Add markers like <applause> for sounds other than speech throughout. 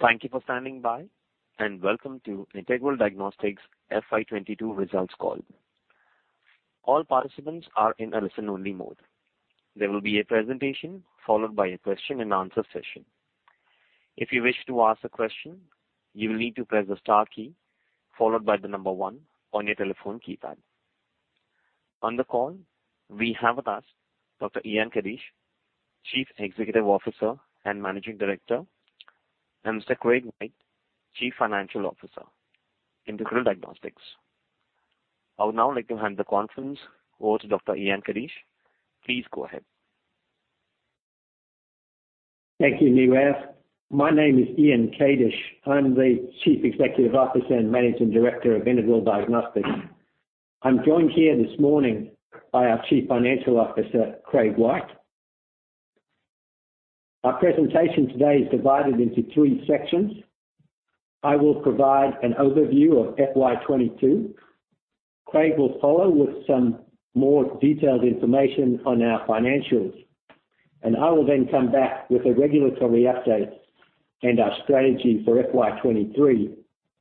Thank you for standing by, and welcome to Integral Diagnostics FY 2022 results call. All participants are in a listen-only mode. There will be a presentation followed by a question and answer session. If you wish to ask a question, you will need to press the star key followed by the number one on your telephone keypad. On the call, we have with us Dr. Ian Kadish, Chief Executive Officer and Managing Director, and Mr. Craig White, Chief Financial Officer, Integral Diagnostics. I would now like to hand the conference over to Dr. Ian Kadish. Please go ahead. Thank you, Nirav. My name is Ian Kadish. I'm the Chief Executive Officer and Managing Director of Integral Diagnostics. I'm joined here this morning by our Chief Financial Officer, Craig White. Our presentation today is divided into three sections. I will provide an overview of FY 2022. Craig will follow with some more detailed information on our financials. I will then come back with a regulatory update and our strategy for FY 2023,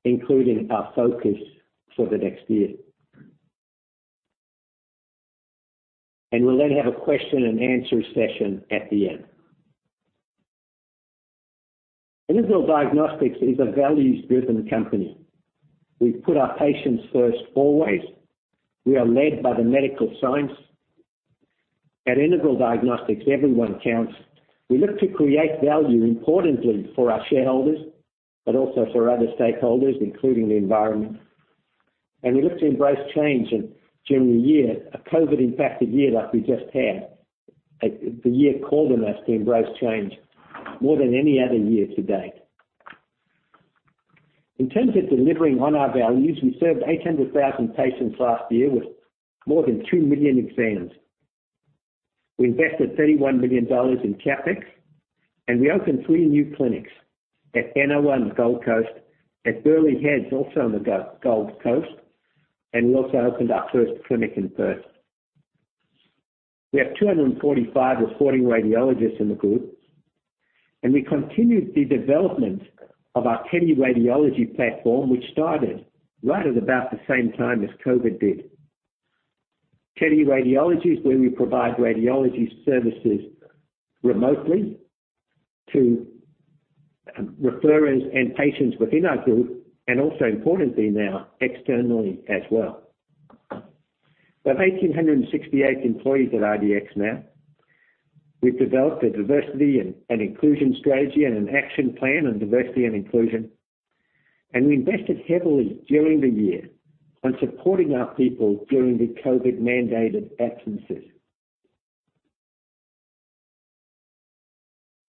including our focus for the next year. We'll then have a question and answer session at the end. Integral Diagnostics is a values-driven company. We put our patients first always. We are led by the medical science. At Integral Diagnostics, everyone counts. We look to create value importantly for our shareholders, but also for other stakeholders, including the environment. We look to embrace change. During the year, a COVID-impacted year like we just had, the year called on us to embrace change more than any other year to date. In terms of delivering on our values, we served 800,000 patients last year with more than 2 million exams. We invested 31 million dollars in CapEx, and we opened three new clinics at Benowa, Gold Coast, at Burleigh Heads, also on the <inaudible> Gold Coast, and we also opened our first clinic in Perth. We have 245 reporting radiologists in the group, and we continued the development of our teleradiology platform, which started right at about the same time as COVID did. Teleradiology is where we provide radiology services remotely to referrers and patients within our group and also importantly now externally as well. There are 1,868 employees at IDX now. We've developed a diversity and inclusion strategy and an action plan on diversity and inclusion, and we invested heavily during the year on supporting our people during the COVID-mandated absences.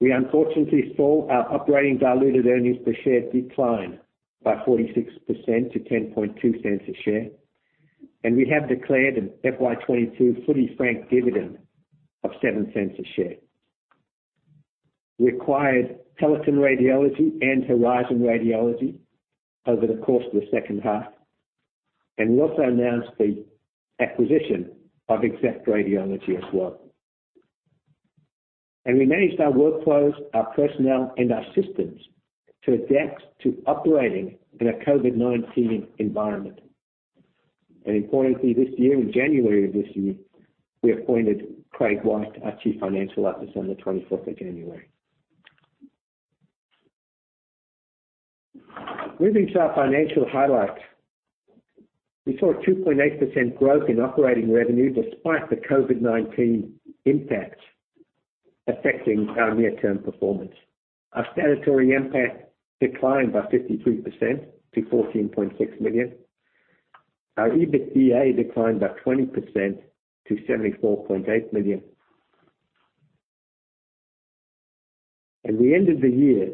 We unfortunately saw our Operating diluted earnings per share decline by 46% to 0.102 a share, and we have declared an FY 2022 fully franked dividend of 0.07 a share. We acquired Peloton Radiology and Horizon Radiology over the course of the second half, and we also announced the acquisition of Exact Radiology as well. We managed our workflows, our personnel, and our systems to adapt to operating in a COVID-19 environment. Importantly, this year, in January of this year, we appointed Craig White, our Chief Financial Officer, on the 24th of January. Moving to our financial highlights. We saw a 2.8% growth in operating revenue despite the COVID-19 impact affecting our near-term performance. Our Statutory NPAT declined by 53% to 14.6 million. Our EBITDA declined by 20% to 74.8 million. We ended the year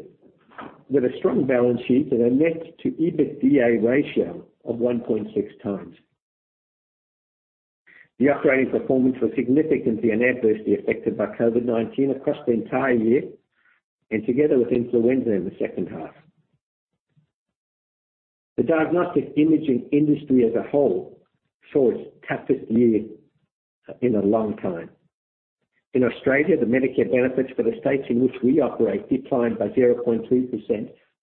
with a strong balance sheet and a net-to-EBITDA ratio of 1.6x. The operating performance was significantly and adversely affected by COVID-19 across the entire year and together with influenza in the second half. The diagnostic imaging industry as a whole saw its toughest year in a long time. In Australia, the Medicare Benefits for the states in which we operate declined by 0.3%,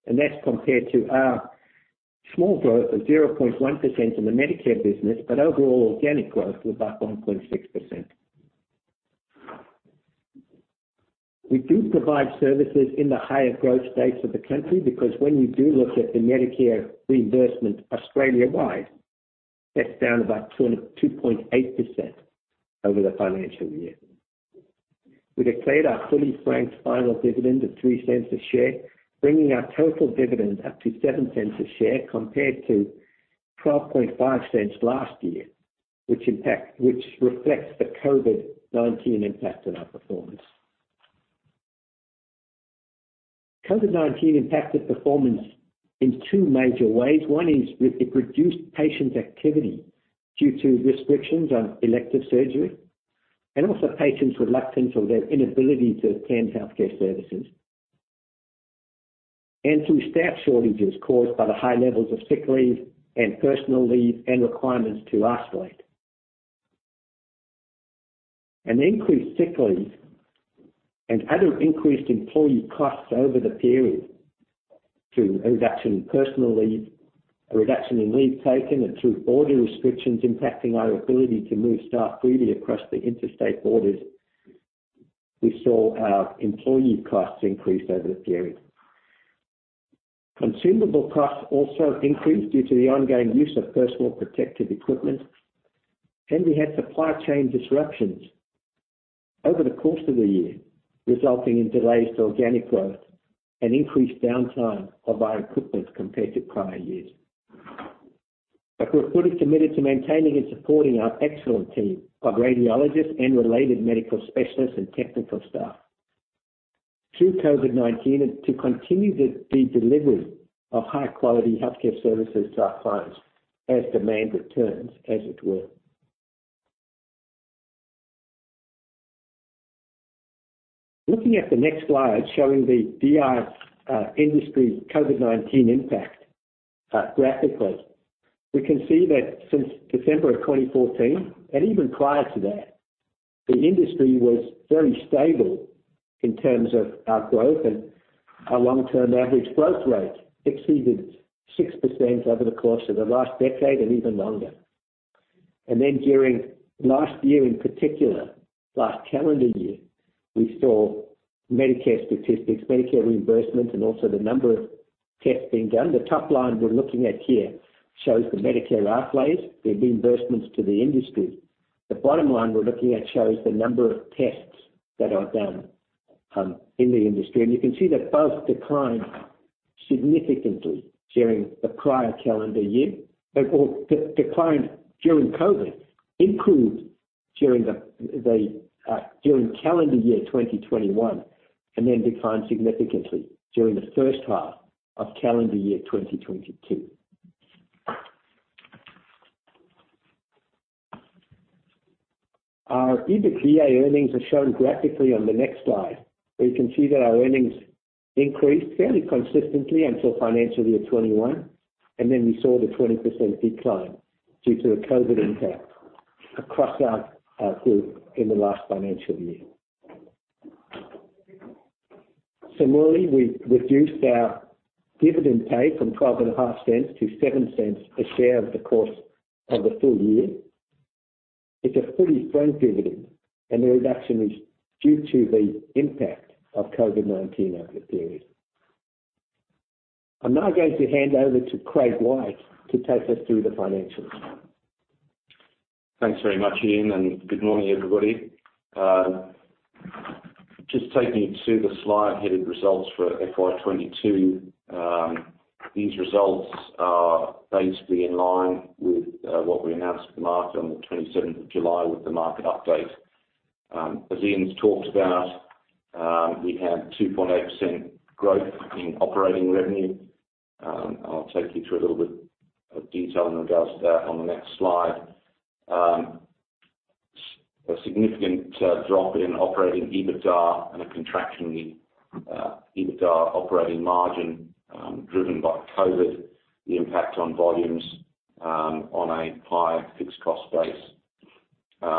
and that's compared to our small growth of 0.1% in the Medicare business. Overall, organic growth was about 1.6%. We do provide services in the higher growth states of the country because when you do look at the Medicare reimbursement Australia-wide, that's down about 2.8% over the financial year. We declared our fully franked final dividend of 0.03 a share, bringing our total dividend up to 0.07 a share compared to 0.125 last year, which reflects the COVID-19 impact on our performance. COVID-19 impacted performance in two major ways. One is with the reduced patient activity due to restrictions on elective surgery and also patients' reluctance or their inability to obtain healthcare services. Through staff shortages caused by the high levels of sick leave and personal leave and requirements to isolate. An increase in sick leave and other increased employee costs over the period through a reduction in personal leave, a reduction in leave taken, and through border restrictions impacting our ability to move staff freely across the interstate borders. We saw our employee costs increase over the period. Consumable costs also increased due to the ongoing use of personal protective equipment, and we had supply chain disruptions over the course of the year, resulting in delays to organic growth and increased downtime of our equipment compared to prior years. We're fully committed to maintaining and supporting our excellent team of radiologists and related medical specialists and technical staff through COVID-19 and to continue the delivery of high-quality healthcare services to our clients as demand returns, as it were. Looking at the next slide, showing the DI industry COVID-19 impact graphically, we can see that since December of 2014, and even prior to that, the industry was very stable in terms of our growth and our long-term average growth rate exceeded 6% over the course of the last decade and even longer. During last year in particular, last calendar year, we saw Medicare statistics, Medicare reimbursements, and also the number of tests being done. The top line we're looking at here shows the Medicare outlays, the reimbursements to the industry. The bottom line we're looking at shows the number of tests that are done in the industry. You can see that both declined significantly during the prior calendar year. They both declined during COVID, improved during calendar year 2021, and then declined significantly during the first half of calendar year 2022. Our EBITDA earnings are shown graphically on the next slide, where you can see that our earnings increased fairly consistently until financial year 2021, and then we saw the 20% decline due to the COVID impact across our group in the last financial year. Similarly, we reduced our dividend payout from 0.125 to 0.07 a share over the course of the full year. It's a fully franked dividend, and the reduction is due to the impact of COVID-19 over the period. I'm now going to hand over to Craig White to take us through the financials. Thanks very much, Ian, and good morning, everybody. Just taking you to the slide headed Results for FY 2022. These results are basically in line with what we announced to the market on the 27th of July with the market update. As Ian's talked about, we have 2.8% growth in operating revenue. I'll take you through a little bit of detail in regards to that on the next slide. Significant drop in Operating EBITDA and a contraction in EBITDA operating margin, driven by COVID, the impact on volumes, on a higher fixed cost base.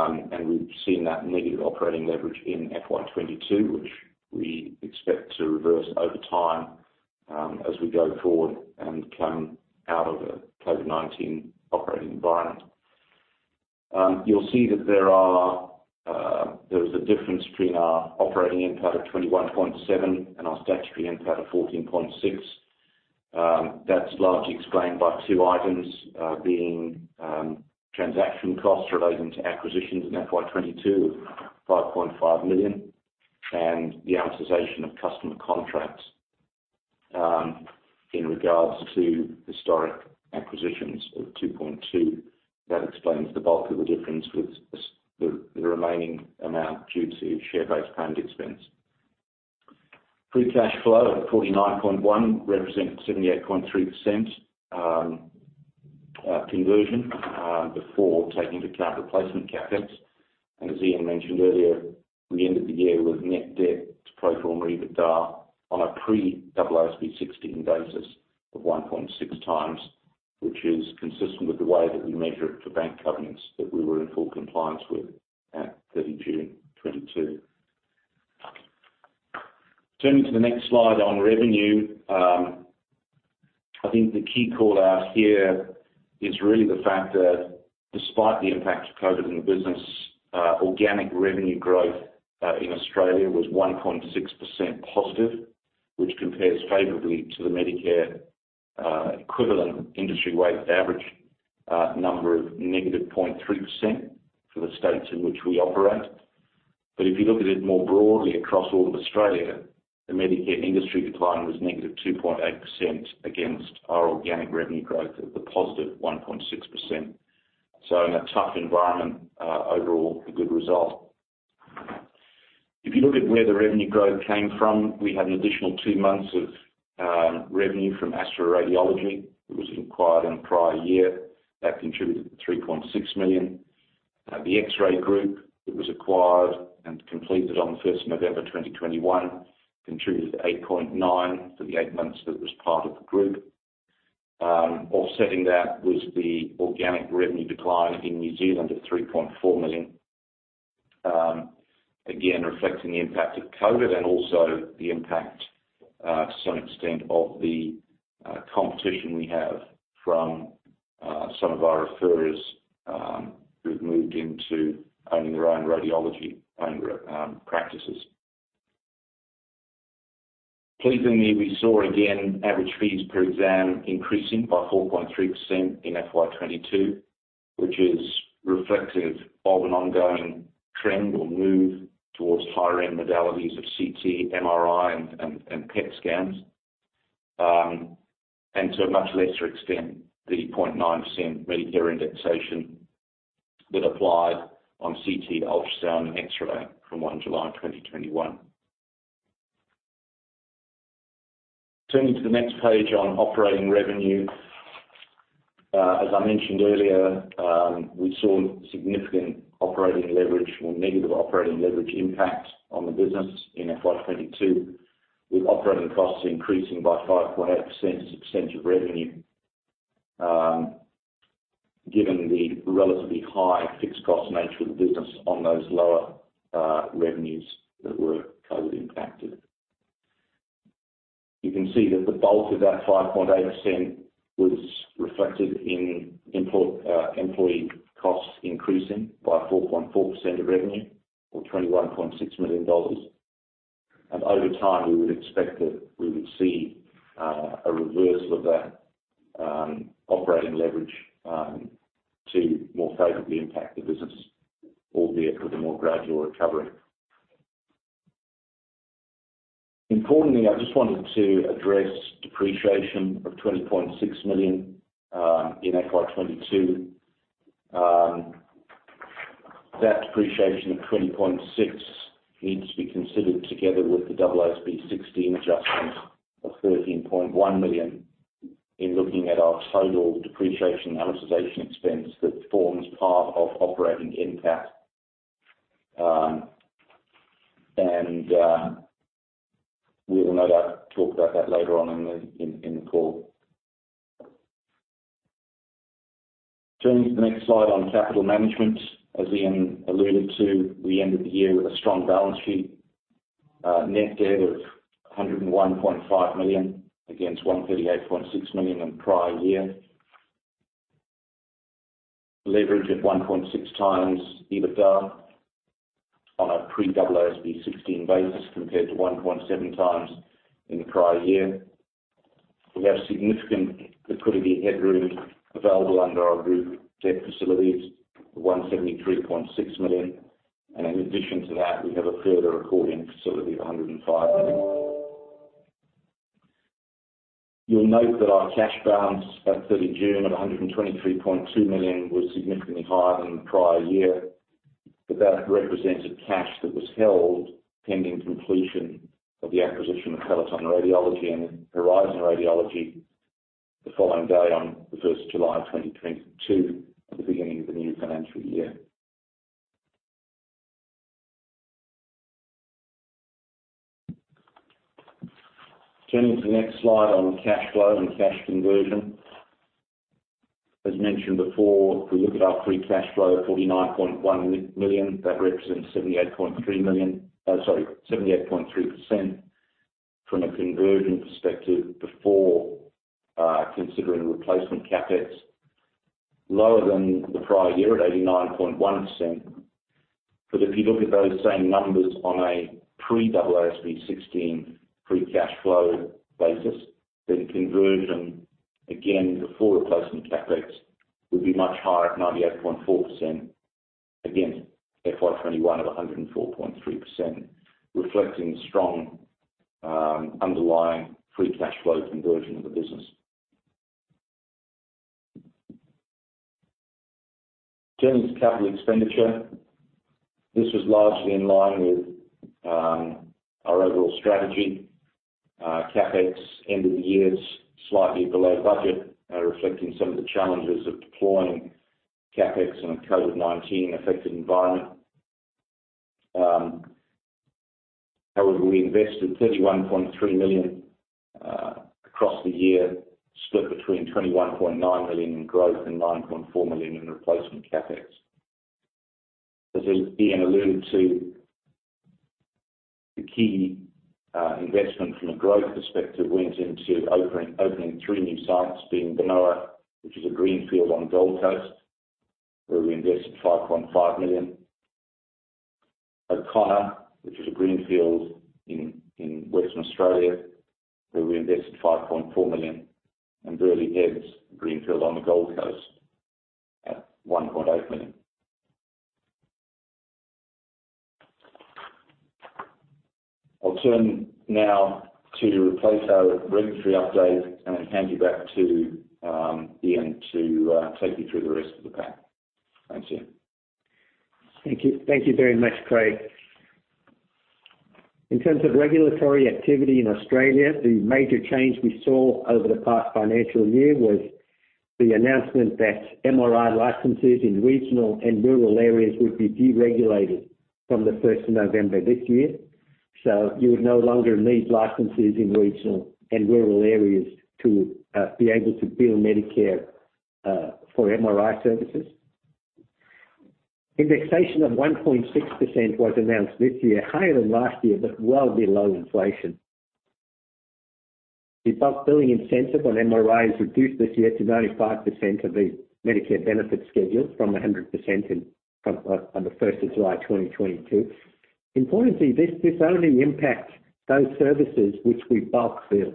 We've seen that negative operating leverage in FY 2022, which we expect to reverse over time, as we go forward and come out of a COVID-19 operating environment. You'll see that there is a difference between our Operating NPAT of 21.7 and our Statutory NPAT of 14.6. That's largely explained by two items, being transaction costs relating to acquisitions in FY 2022 of 5.5 million and the amortization of customer contracts in regards to historic acquisitions of 2.2. That explains the bulk of the difference with the remaining amount due to share-based payment expense. Free cash flow of 49.1 represents 78.3% conversion before taking into account replacement CapEx. As Ian mentioned earlier, we ended the year with net debt to pro forma EBITDA on a pre-AASB 16 basis of 1.6x, which is consistent with the way that we measure it for bank covenants that we were in full compliance with at 30 June 2022. Turning to the next slide on revenue, I think the key call-out here is really the fact that despite the impact of COVID in the business, organic revenue growth in Australia was 1.6% positive, which compares favorably to the Medicare equivalent industry-wide average number of -0.3% for the states in which we operate. If you look at it more broadly across all of Australia, the Medicare industry decline was -2.8% against our organic revenue growth of the +1.6%. In a tough environment, overall, a good result. If you look at where the revenue growth came from, we had an additional two months of revenue from Ascot Radiology. It was acquired in the prior year. That contributed to 3.6 million. The X-Ray Group that was acquired and completed on the first of November 2021 contributed 8.9 million for the eight months that it was part of the group. Offsetting that was the organic revenue decline in New Zealand of 3.4 million. Again, reflecting the impact of COVID and also the impact, to some extent of the competition we have from some of our referrers who've moved into owning their own radiology practices. Pleasingly, we saw again average fees per exam increasing by 4.3% in FY 2022, which is reflective of an ongoing trend or move towards higher-end modalities of CT, MRI, and PET scans. To a much lesser extent, the 0.9% Medicare indexation that applied on CT, ultrasound, and X-ray from 1 July 2021. Turning to the next page on operating revenue. As I mentioned earlier, we saw significant operating leverage or negative operating leverage impact on the business in FY 2022, with operating costs increasing by 5.8% as a percentage of revenue, given the relatively high fixed cost nature of the business on those lower revenues that were COVID impacted. You can see that the bulk of that 5.8% was reflected in part in employee costs increasing by 4.4% of revenue or $21.6 million. Over time, we would expect that we would see a reversal of that operating leverage to more favorably impact the business, albeit with a more gradual recovery. Importantly, I just wanted to address depreciation of $20.6 million in FY 2022. That depreciation of $20.6 million needs to be considered together with the AASB 16 adjustment of $13.1 million in looking at our total depreciation amortization expense that forms part of Operating NPAT. We will no doubt talk about that later on in the call. Turning to the next slide on capital management. As Ian alluded to, we ended the year with a strong balance sheet. Net debt of 101.5 million against 138.6 million in prior year. Leverage at 1.6 times EBITDA on a pre-AASB 16 basis, compared to 1.7 times in the prior year. We have significant liquidity headroom available under our group debt facilities, 173.6 million, and in addition to that, we have a further revolving facility of 105 million. You'll note that our cash balance at 30 June of 123.2 million was significantly higher than the prior year, but that represented cash that was held pending completion of the acquisition of Peloton Radiology and Horizon Radiology the following day on 1 July 2022 at the beginning of the new financial year. Turning to the next slide on cash flow and cash conversion. As mentioned before, if we look at our free cash flow of 49.1 million, that represents 78.3% from a conversion perspective before considering replacement CapEx. Lower than the prior year at 89.1%. If you look at those same numbers on a pre-AASB 16 free cash flow basis, then conversion, again before replacement CapEx, would be much higher at 98.4% against FY 2021 of 104.3%, reflecting strong underlying free cash flow conversion of the business. Turning to capital expenditure. This was largely in line with our overall strategy. CapEx end of the year is slightly below budget, reflecting some of the challenges of deploying CapEx in a COVID-19 affected environment. However, we invested 31.3 million across the year, split between 21.9 million in growth and 9.4 million in replacement CapEx. As Ian alluded to, the key investment from a growth perspective went into opening three new sites, being Benowa, which is a greenfield on Gold Coast, where we invested 5.5 million. O'Connor, which is a greenfield in Western Australia, where we invested 5.4 million. And Burleigh Heads, a greenfield on the Gold Coast at 1.8 million. I'll turn now to our regulatory update and then hand you back to Ian to take you through the rest of the pack. Thanks, Ian. Thank you. Thank you very much, Craig. In terms of regulatory activity in Australia, the major change we saw over the past financial year was the announcement that MRI licenses in regional and rural areas would be deregulated from the first of November this year. So you would no longer need licenses in regional and rural areas to be able to bill Medicare for MRI services. Indexation of 1.6% was announced this year, higher than last year, but well below inflation. The bulk billing incentive on MRI is reduced this year to 95% of the Medicare benefit schedule from 100% on the first of July 2022. Importantly, this only impacts those services which we bulk bill.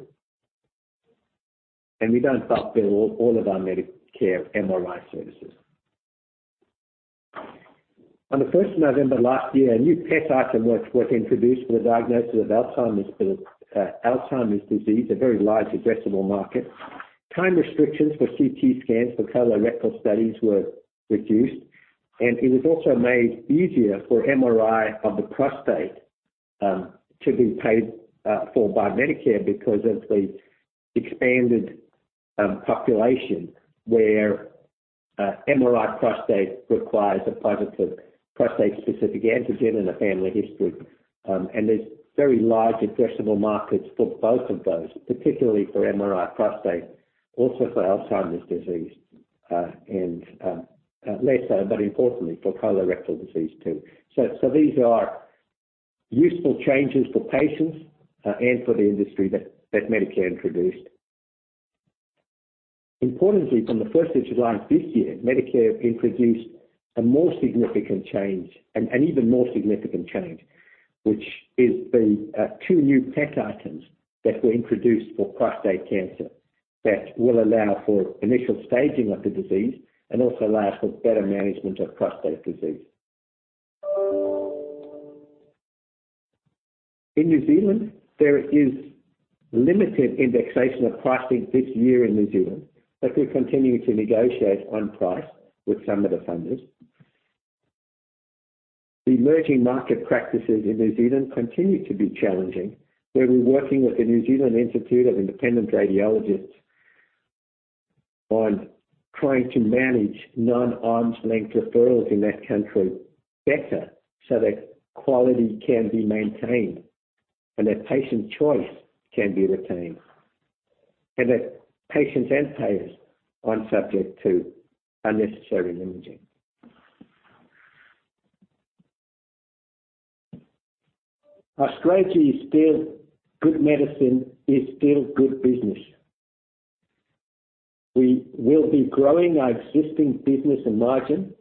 We don't bulk bill all of our Medicare MRI services. On the first of November last year, a new PET item was introduced for the diagnosis of Alzheimer's disease, a very large addressable market. Time restrictions for CT scans for colorectal studies were reduced, and it was also made easier for MRI of the prostate to be paid for by Medicare because of the expanded population where MRI prostate requires a positive prostate-specific antigen and a family history. There's very large addressable markets for both of those, particularly for MRI prostate, also for Alzheimer's disease, and less so, but importantly for colorectal disease too. These are useful changes for patients and for the industry that Medicare introduced. Importantly, from the first of July this year, Medicare introduced a more significant change, an even more significant change, which is the two new PET items that were introduced for prostate cancer that will allow for initial staging of the disease and also allow for better management of prostate disease. In New Zealand, there is limited indexation of pricing this year in New Zealand, but we're continuing to negotiate on price with some of the funders. The emerging market practices in New Zealand continue to be challenging, where we're working with the New Zealand Institute of Independent Radiologists on trying to manage non-arm's length referrals in that country better, so that quality can be maintained, and that patient choice can be retained. That patients and payers aren't subject to unnecessary imaging. Our strategy is still good medicine, is still good business. We will be growing our existing business and margin,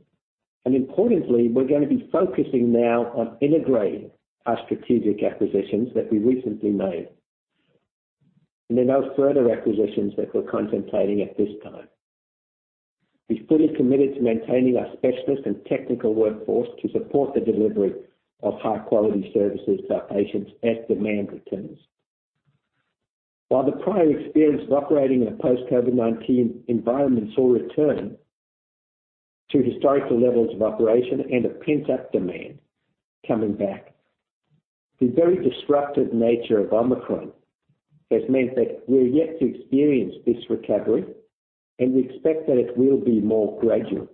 and importantly, we're gonna be focusing now on integrating our strategic acquisitions that we recently made. There are no further acquisitions that we're contemplating at this time. We fully committed to maintaining our specialist and technical workforce to support the delivery of high-quality services to our patients as demand returns. While the prior experience of operating in a post-COVID-19 environment saw a return to historical levels of operation and a pent-up demand coming back, the very disruptive nature of Omicron has meant that we're yet to experience this recovery, and we expect that it will be more gradual.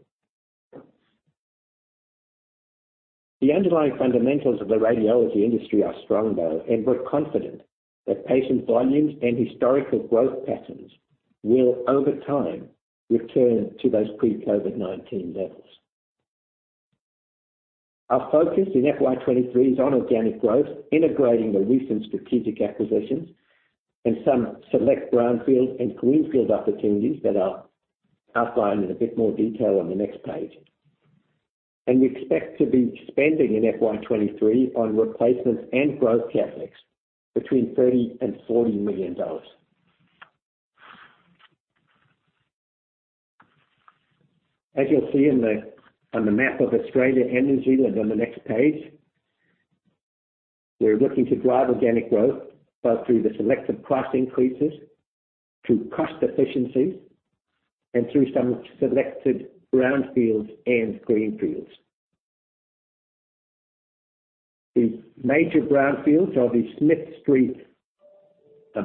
The underlying fundamentals of the radiology industry are strong, though, and we're confident that patient volumes and historical growth patterns will, over time, return to those pre-COVID-19 levels. Our focus in FY 2023 is on organic growth, integrating the recent strategic acquisitions and some select brownfield and greenfield opportunities that I'll outline in a bit more detail on the next page. We expect to be spending in FY 2023 on replacements and growth CapEx between 30 million and 40 million. As you'll see on the map of Australia and New Zealand on the next page, we're looking to drive organic growth, both through the selective price increases, through cost efficiencies, and through some selected brownfields and greenfields. The major brownfields are the Smith Street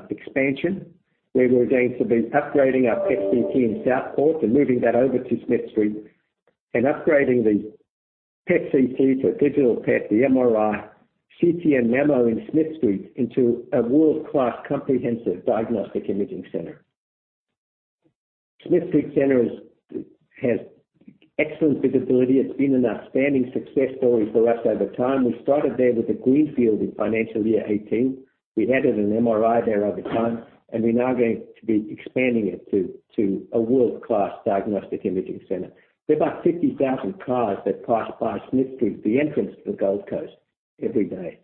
expansion, where we're going to be upgrading our PET/CT in Southport and moving that over to Smith Street and upgrading the PET/CT to a digital PET, the MRI, CT, and mammo in Smith Street into a world-class comprehensive diagnostic imaging center. Smith Street Center has excellent visibility. It's been an outstanding success story for us over time. We started there with a greenfield in financial year 2018. We added an MRI there over time, and we're now going to be expanding it to a world-class diagnostic imaging center. There are about 50,000 cars that pass by Smith Street, the entrance to the Gold Coast, every day.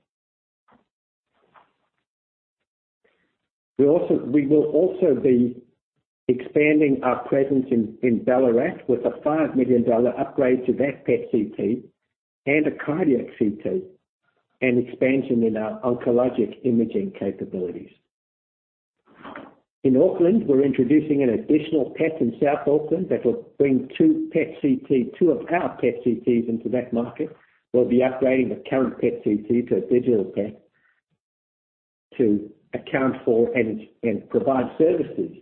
We will also be expanding our presence in Ballarat with an 5 million dollar upgrade to that PET/CT and a cardiac CT, an expansion in our oncologic imaging capabilities. In Auckland, we're introducing an additional PET in South Auckland that will bring two of our PET/CTs into that market. We'll be upgrading the current PET/CT to a digital PET. To account for and provide services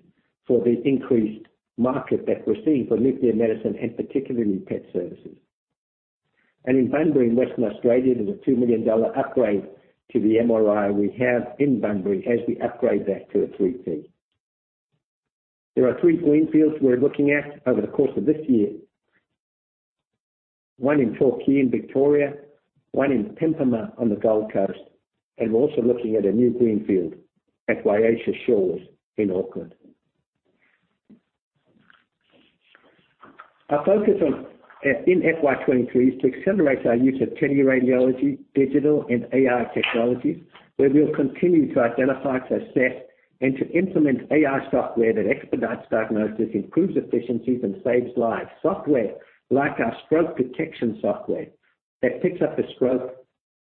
for the increased market that we're seeing for nuclear medicine and particularly PET services. In Bunbury in Western Australia, there's a 2 million dollar upgrade to the MRI we have in Bunbury as we upgrade that to a 3T. There are three greenfields we're looking at over the course of this year. One in Torquay in Victoria, one in Pimpama on the Gold Coast, and we're also looking at a new greenfield at Waiata Shores in Auckland. Our focus in FY 2023 is to accelerate our use of teleradiology, digital and AR technologies, where we'll continue to identify, to assess, and to implement AR software that expedites diagnosis, improves efficiencies, and saves lives. Software like our stroke detection software that picks up a stroke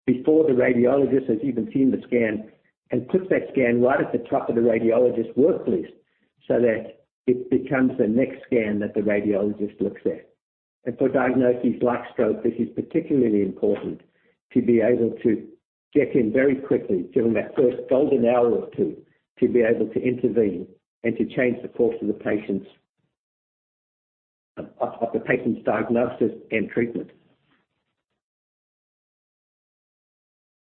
before the radiologist has even seen the scan and puts that scan right at the top of the radiologist worklist so that it becomes the next scan that the radiologist looks at. For diagnoses like stroke, this is particularly important to be able to get in very quickly during that first golden hour or two to be able to intervene and to change the course of the patient's diagnosis and treatment.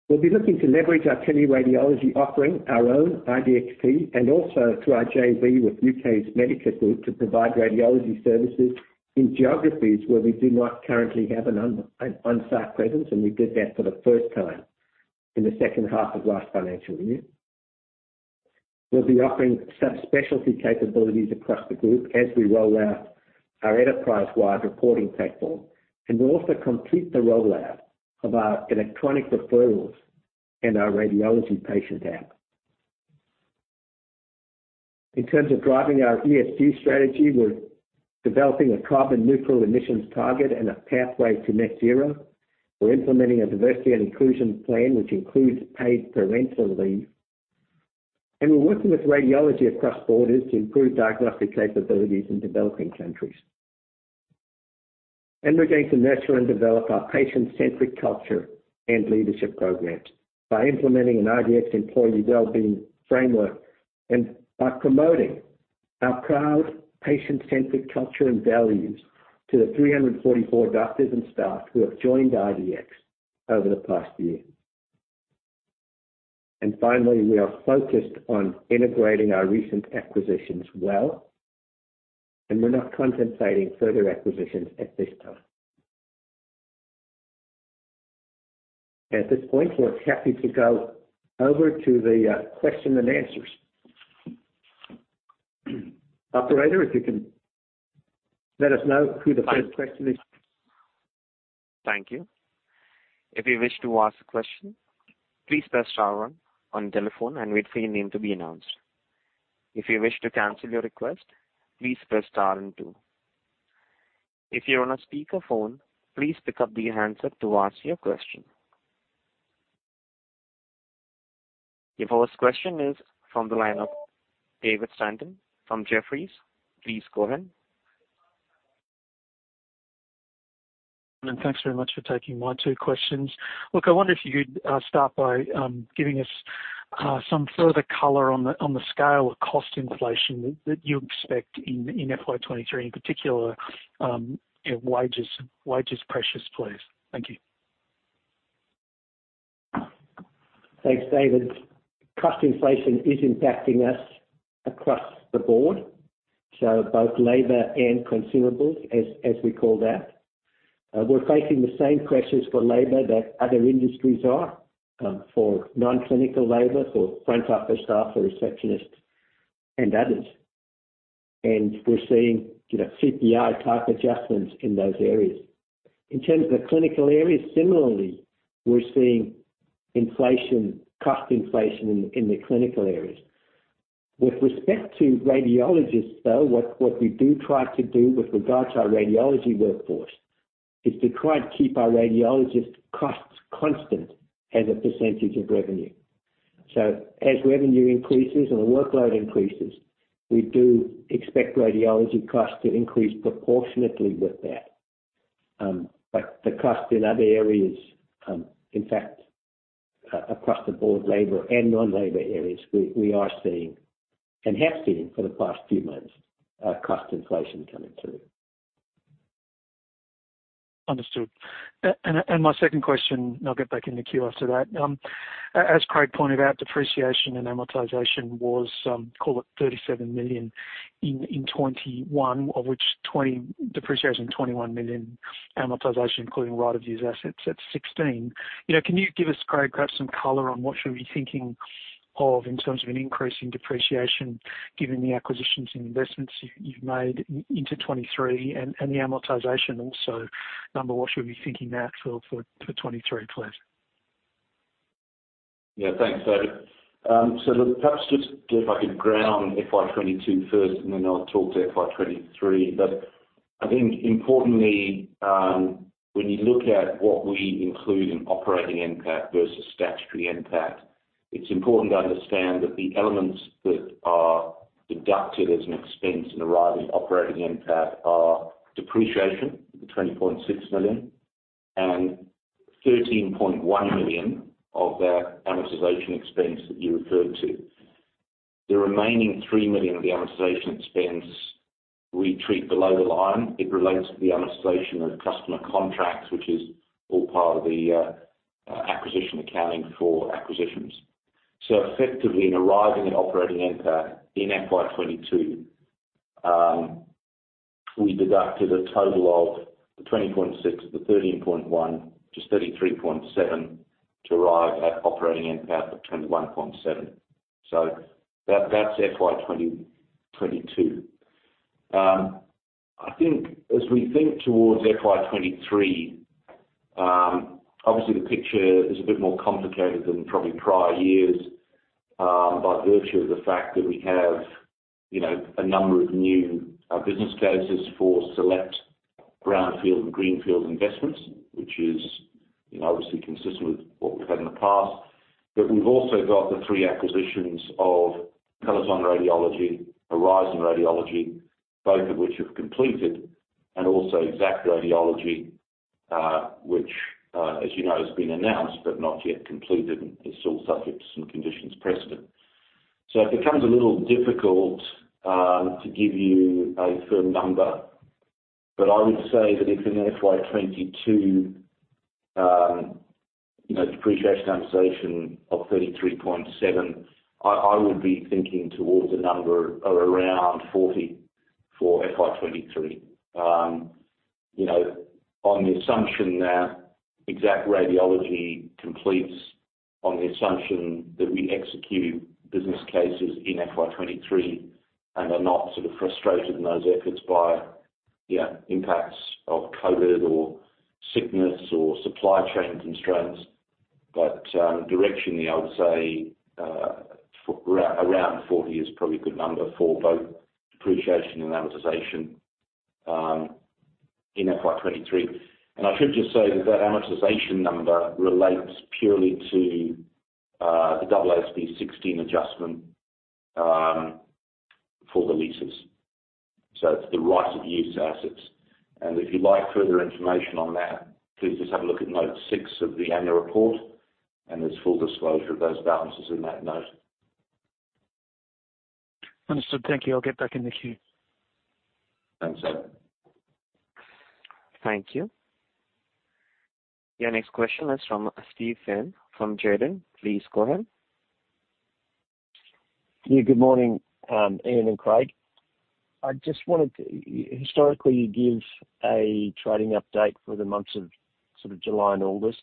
We'll be looking to leverage our teleradiology offering, our own IDXP and also through our JV with UK's Medica Group to provide radiology services in geographies where we do not currently have an on-site presence, and we did that for the first time in the second half of last financial year. We'll be offering subspecialty capabilities across the group as we roll out our enterprise-wide reporting platform. We'll also complete the rollout of our electronic referrals and our Radiology Patient App. In terms of driving our ESG strategy, we're developing a carbon neutral emissions target and a pathway to net zero. We're implementing a diversity and inclusion plan which includes paid parental leave. We're working with Radiology Across Borders to improve diagnostic capabilities in developing countries. We're going to nurture and develop our patient-centric culture and leadership programs by implementing an IDX employee well-being framework and by promoting our proud patient-centric culture and values to the 344 doctors and staff who have joined IDX over the past year. Finally, we are focused on integrating our recent acquisitions well, and we're not contemplating further acquisitions at this time. At this point, we're happy to go over to the question and answers. Operator, if you can let us know who the first person is. Thank you. If you wish to ask a question, please press star one on your telephone and wait for your name to be announced. If you wish to cancel your request, please press star and two. If you're on a speakerphone, please pick up the handset to ask your question. Your first question is from the line of David Stanton from Jefferies. Please go ahead. Thanks very much for taking my two questions. Look, I wonder if you could start by giving us some further color on the scale of cost inflation that you expect in FY 2023, in particular, you know, wages pressures, please. Thank you. Thanks, David. Cost inflation is impacting us across the board, so both labor and consumables, as we call that. We're facing the same pressures for labor that other industries are, for non-clinical labor, for front office staff, for receptionists, and others. We're seeing, you know, CPI type adjustments in those areas. In terms of the clinical areas, similarly, we're seeing inflation, cost inflation in the clinical areas. With respect to radiologists, though, what we do try to do with regards to our radiology workforce is to try to keep our radiologist costs constant as a percentage of revenue. As revenue increases and the workload increases, we do expect radiology costs to increase proportionately with that. The cost in other areas, in fact, across the board, labor and non-labor areas, we are seeing, and have seen for the past few months, cost inflation coming through. Understood. My second question, and I'll get back in the queue after that. As Craig pointed out, depreciation and amortization was call it 37 million in 2021, of which 20 million depreciation, 21 million amortization, including right of use assets at 16 million. You know, can you give us, Craig, perhaps some color on what should we be thinking of in terms of an increase in depreciation, given the acquisitions and investments you've made into 2023 and the amortization also number, what should we be thinking there for 2023, please? Yeah. Thanks, David. So look, perhaps just if I could ground FY 2022 first and then I'll talk to FY 2023. I think importantly, when you look at what we include in Operating NPAT versus Statutory NPAT, it's important to understand that the elements that are deducted as an expense in arriving Operating NPAT are depreciation, the 20.6 million and 13.1 million of that amortization expense that you referred to. The remaining 3 million of the amortization expense we treat below the line. It relates to the amortization of customer contracts, which is all part of the acquisition accounting for acquisitions. Effectively, in arriving at Operating NPAT in FY 2022, we deducted a total of the 20.6, the 13.1, just 33.7 to arrive at Operating NPAT of 21.7. That's FY 2022. I think as we think towards FY 2023, obviously the picture is a bit more complicated than probably prior years, by virtue of the fact that we have, you know, a number of new business cases for select brownfield and greenfield investments, which is, you know, obviously consistent with what we've had in the past. We've also got the three acquisitions of Ascot Radiology, Horizon Radiology, both of which have completed, and also Exact Radiology, which, as you know, has been announced but not yet completed. It's all subject to some conditions precedent. It becomes a little difficult to give you a firm number. I would say that if in FY 2022, you know, depreciation amortization of 33.7%, I would be thinking towards a number of around 40% for FY 2023. You know, on the assumption that Exact Radiology completes, on the assumption that we execute business cases in FY 2023 and are not sort of frustrated in those efforts by, you know, impacts of COVID or sickness or supply chain constraints. Directionally, I would say around 40 is probably a good number for both depreciation and amortization in FY 2023. I should just say that that amortization number relates purely to the AASB 16 adjustment for the leases. It's the right of use assets. If you'd like further information on that, please just have a look at note six of the annual report, and there's full disclosure of those balances in that note. Understood. Thank you. I'll get back in the queue. Thanks. Thank you. Your next question is from Steve Wheen from Jarden. Please go ahead. Yeah, good morning, Ian and Craig. I just wanted to historically give a trading update for the months of sort of July and August.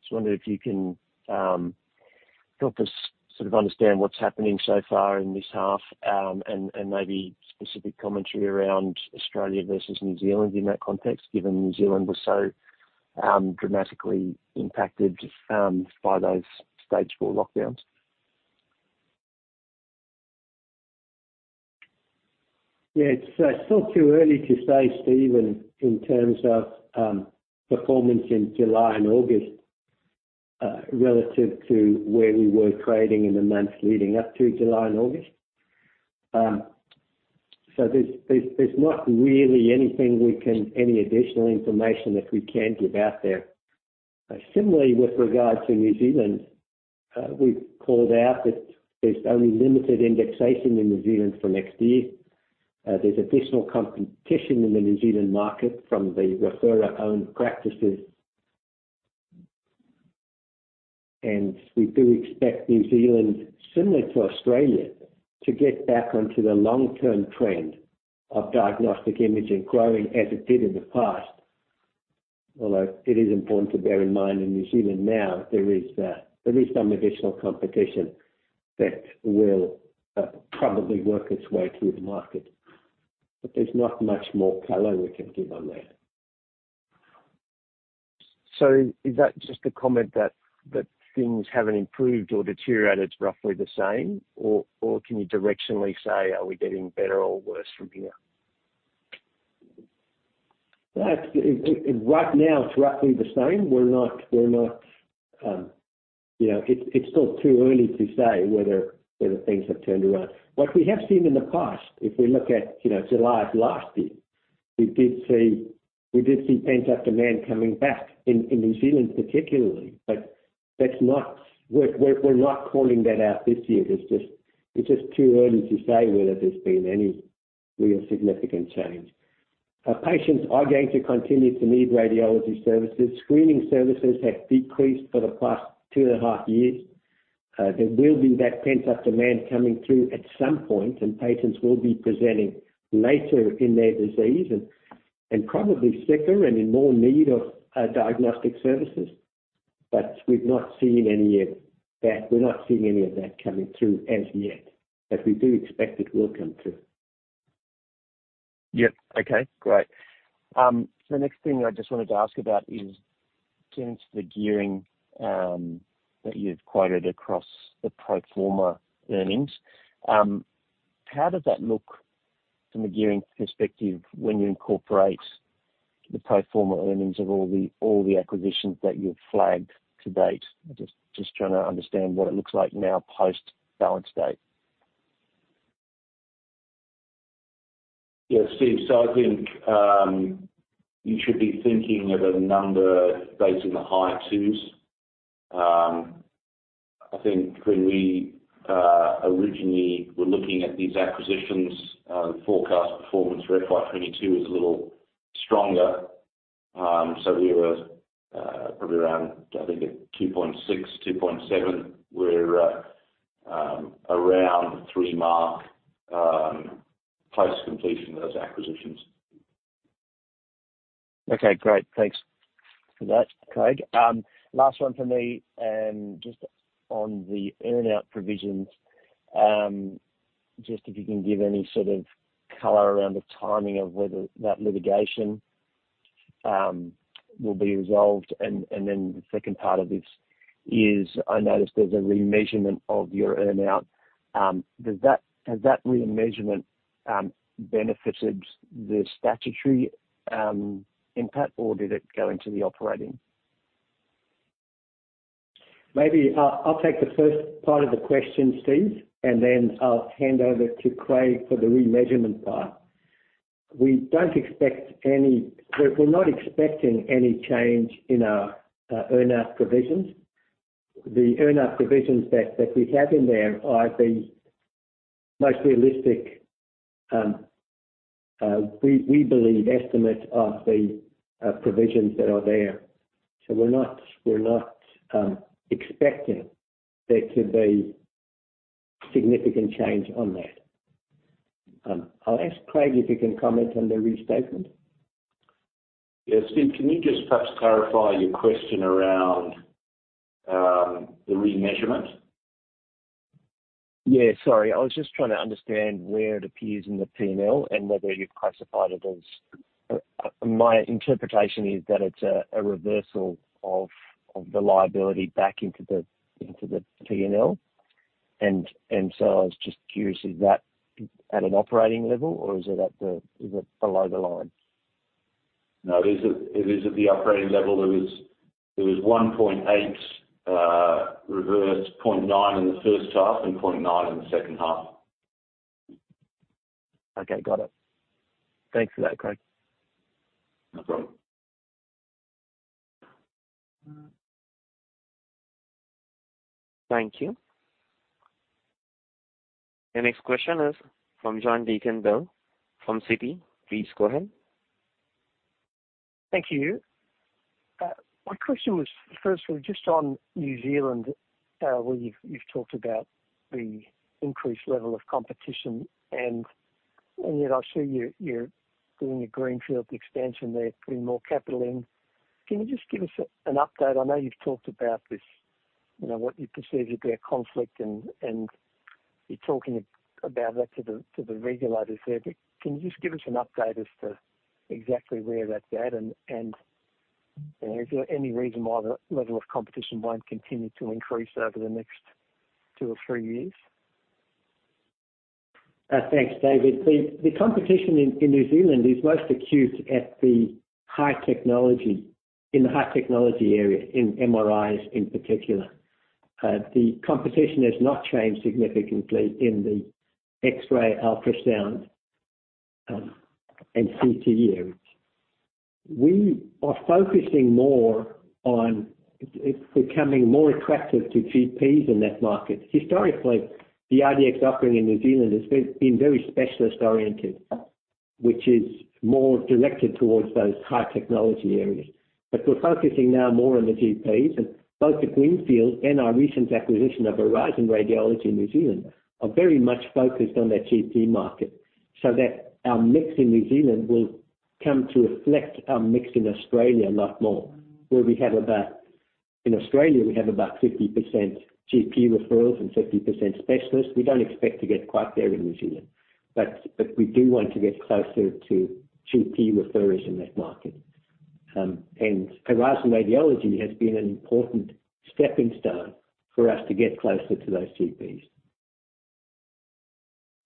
Just wonder if you can help us sort of understand what's happening so far in this half, and maybe specific commentary around Australia versus New Zealand in that context, given New Zealand was so dramatically impacted by those stage four lockdowns. Yeah, it's still too early to say, Steven, in terms of performance in July and August relative to where we were trading in the months leading up to July and August. So there's not really any additional information that we can give out there. Similarly, with regard to New Zealand, we've called out that there's only limited indexation in New Zealand for next year. There's additional competition in the New Zealand market from the referrer-owned practices. We do expect New Zealand, similar to Australia, to get back onto the long-term trend of diagnostic imaging growing as it did in the past. Although it is important to bear in mind in New Zealand now there is some additional competition that will probably work its way through the market. There's not much more color we can give on that. Is that just a comment that things haven't improved or deteriorated roughly the same? Or can you directionally say, are we getting better or worse from here? Right now, it's roughly the same. We're not, you know. It's still too early to say whether things have turned around. What we have seen in the past, if we look at you know, July of last year, we did see pent-up demand coming back in New Zealand particularly. We're not calling that out this year. It's just too early to say whether there's been any real significant change. Our patients are going to continue to need radiology services. Screening services have decreased for the past two and a half years. There will be that pent-up demand coming through at some point, and patients will be presenting later in their disease and probably sicker and in more need of diagnostic services. We've not seen any of that. We're not seeing any of that coming through as yet. We do expect it will come through. Yep. Okay, great. The next thing I just wanted to ask about is in terms of the gearing that you've quoted across the pro forma earnings. How does that look from a gearing perspective when you incorporate the pro forma earnings of all the acquisitions that you've flagged to date? Just trying to understand what it looks like now post-balance date. Yeah, Steve. I think you should be thinking of a number based in the high 2s. I think when we originally were looking at these acquisitions, the forecast performance for FY 2022 is a little stronger. We were probably around, I think at 2.6%-2.7%. We're around three mark, post-completion of those acquisitions. Okay, great. Thanks for that, Craig. Last one for me, and just on the earn out provisions, just if you can give any sort of color around the timing of whether that litigation will be resolved. The second part of this is I notice there's a remeasurement of your earn out. Has that remeasurement benefited the statutory impact, or did it go into the operating? Maybe I'll take the first part of the question, Steve, and then I'll hand over to Craig for the remeasurement part. We're not expecting any change in our earn-out provisions. The earn-out provisions that we have in there are the most realistic we believe estimates are the provisions that are there. We're not expecting there to be significant change on that. I'll ask Craig if he can comment on the restatement. Yeah. Steve, can you just perhaps clarify your question around the remeasurement? Yeah, sorry. I was just trying to understand where it appears in the P&L and whether you've classified it as. My interpretation is that it's a reversal of the liability back into the P&L. I was just curious, is that at an operating level or is it below the line? No, it is at the operating level. There was 1.8% versus 0.9% in the first half and 0.9% in the second half. Okay, got it. Thanks for that, Craig. No problem. Thank you. The next question is from John Deakin-Bell from Citi. Please go ahead. Thank you. My question was firstly just on New Zealand, where you've talked about the increased level of competition and yet I see you're doing a greenfield expansion there, putting more capital in. Can you just give us an update? I know you've talked about this, you know, what you perceive to be a conflict and you're talking about that to the regulators there. Can you just give us an update as to exactly where that's at? You know, is there any reason why the level of competition won't continue to increase over the next two or three years? Thanks, David. The competition in New Zealand is most acute in the high technology area, in MRIs in particular. The competition has not changed significantly in the X-ray, ultrasound, and CT areas. We are focusing more on it becoming more attractive to GPs in that market. Historically, the IDX offering in New Zealand has been very specialist oriented, which is more directed towards those high technology areas. We're focusing now more on the GPs and both the greenfields and our recent acquisition of Horizon Radiology in New Zealand are very much focused on that GP market, so that our mix in New Zealand will come to reflect our mix in Australia a lot more where we have about. In Australia, we have about 50% GP referrals and 50% specialists. We don't expect to get quite there in New Zealand, but we do want to get closer to GP referrers in that market. Horizon Radiology has been an important stepping stone for us to get closer to those GPs.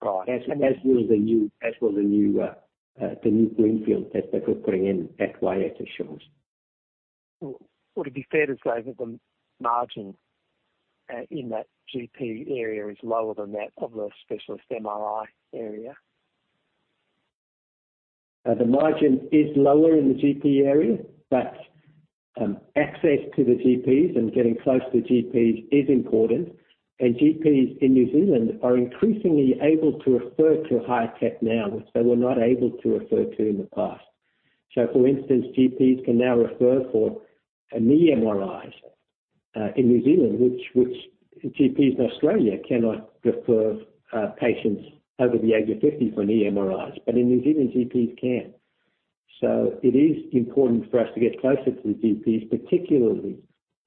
Right. As was the new greenfield that we're putting in at Waiata Shores. Would it be fair to say that the margin in that GP area is lower than that of the specialist MRI area? The margin is lower in the GP area, but access to the GPs and getting close to the GPs is important. GPs in New Zealand are increasingly able to refer to higher tech now, which they were not able to refer to in the past. For instance, GPs can now refer for knee MRIs in New Zealand, which GPs in Australia cannot refer patients over the age of 50 for knee MRIs, but in New Zealand, GPs can. It is important for us to get closer to the GPs, particularly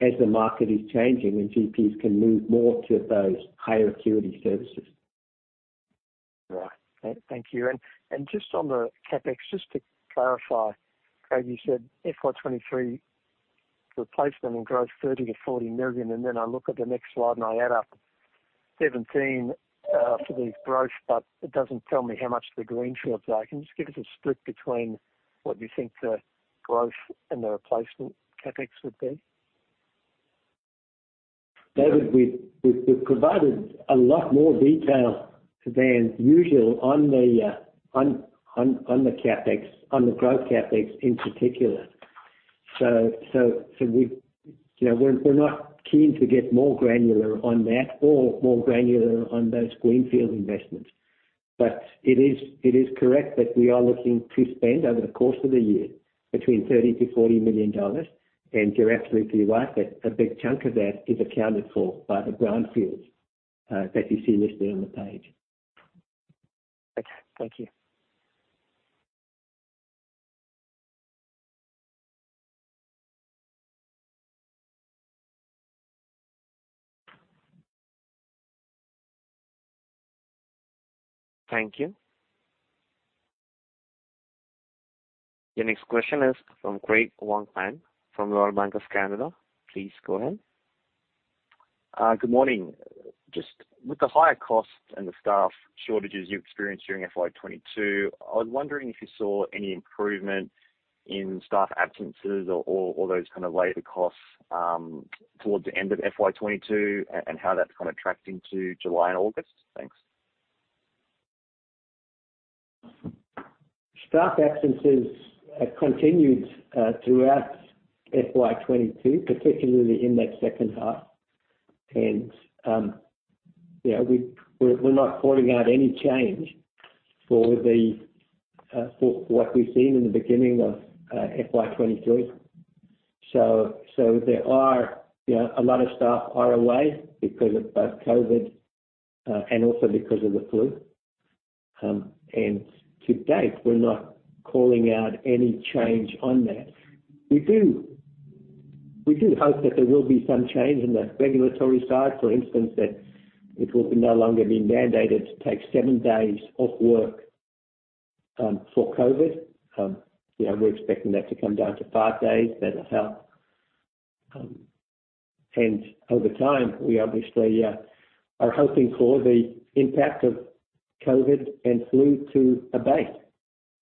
as the market is changing and GPs can move more to those higher acuity services. Right. Thank you. Just on the CapEx, just to clarify, Craig, you said FY 2023 replacement and growth, 30 million-40 million. I look at the next slide and I add up 17 for the growth, but it doesn't tell me how much the greenfields are. Can you just give us a split between what you think the growth and the replacement CapEx would be? David, we've provided a lot more detail than usual on the CapEx, on the growth CapEx in particular. We, you know, we're not keen to get more granular on that or more granular on those greenfield investments. It is correct that we are looking to spend over the course of the year between 30 million-40 million dollars. You're absolutely right that a big chunk of that is accounted for by the brownfields that you see listed on the page. Okay. Thank you. Thank you. Your next question is from Craig Wong-Pan, from Royal Bank of Canada. Please go ahead. Good morning. Just with the higher costs and the staff shortages you experienced during FY 2022, I was wondering if you saw any improvement in staff absences or those kind of labor costs towards the end of FY 2022, and how that's kind of tracked into July and August. Thanks. Staff absences have continued throughout FY 2022, particularly in that second half. We're not pointing out any change for what we've seen in the beginning of FY 2023. There are a lot of staff are away because of both COVID and also because of the flu. To date, we're not calling out any change on that. We do hope that there will be some change in the regulatory side, for instance, that it will no longer be mandated to take seven days off work for COVID. We're expecting that to come down to five days. That'll help. Over time, we obviously are hoping for the impact of COVID and flu to abate,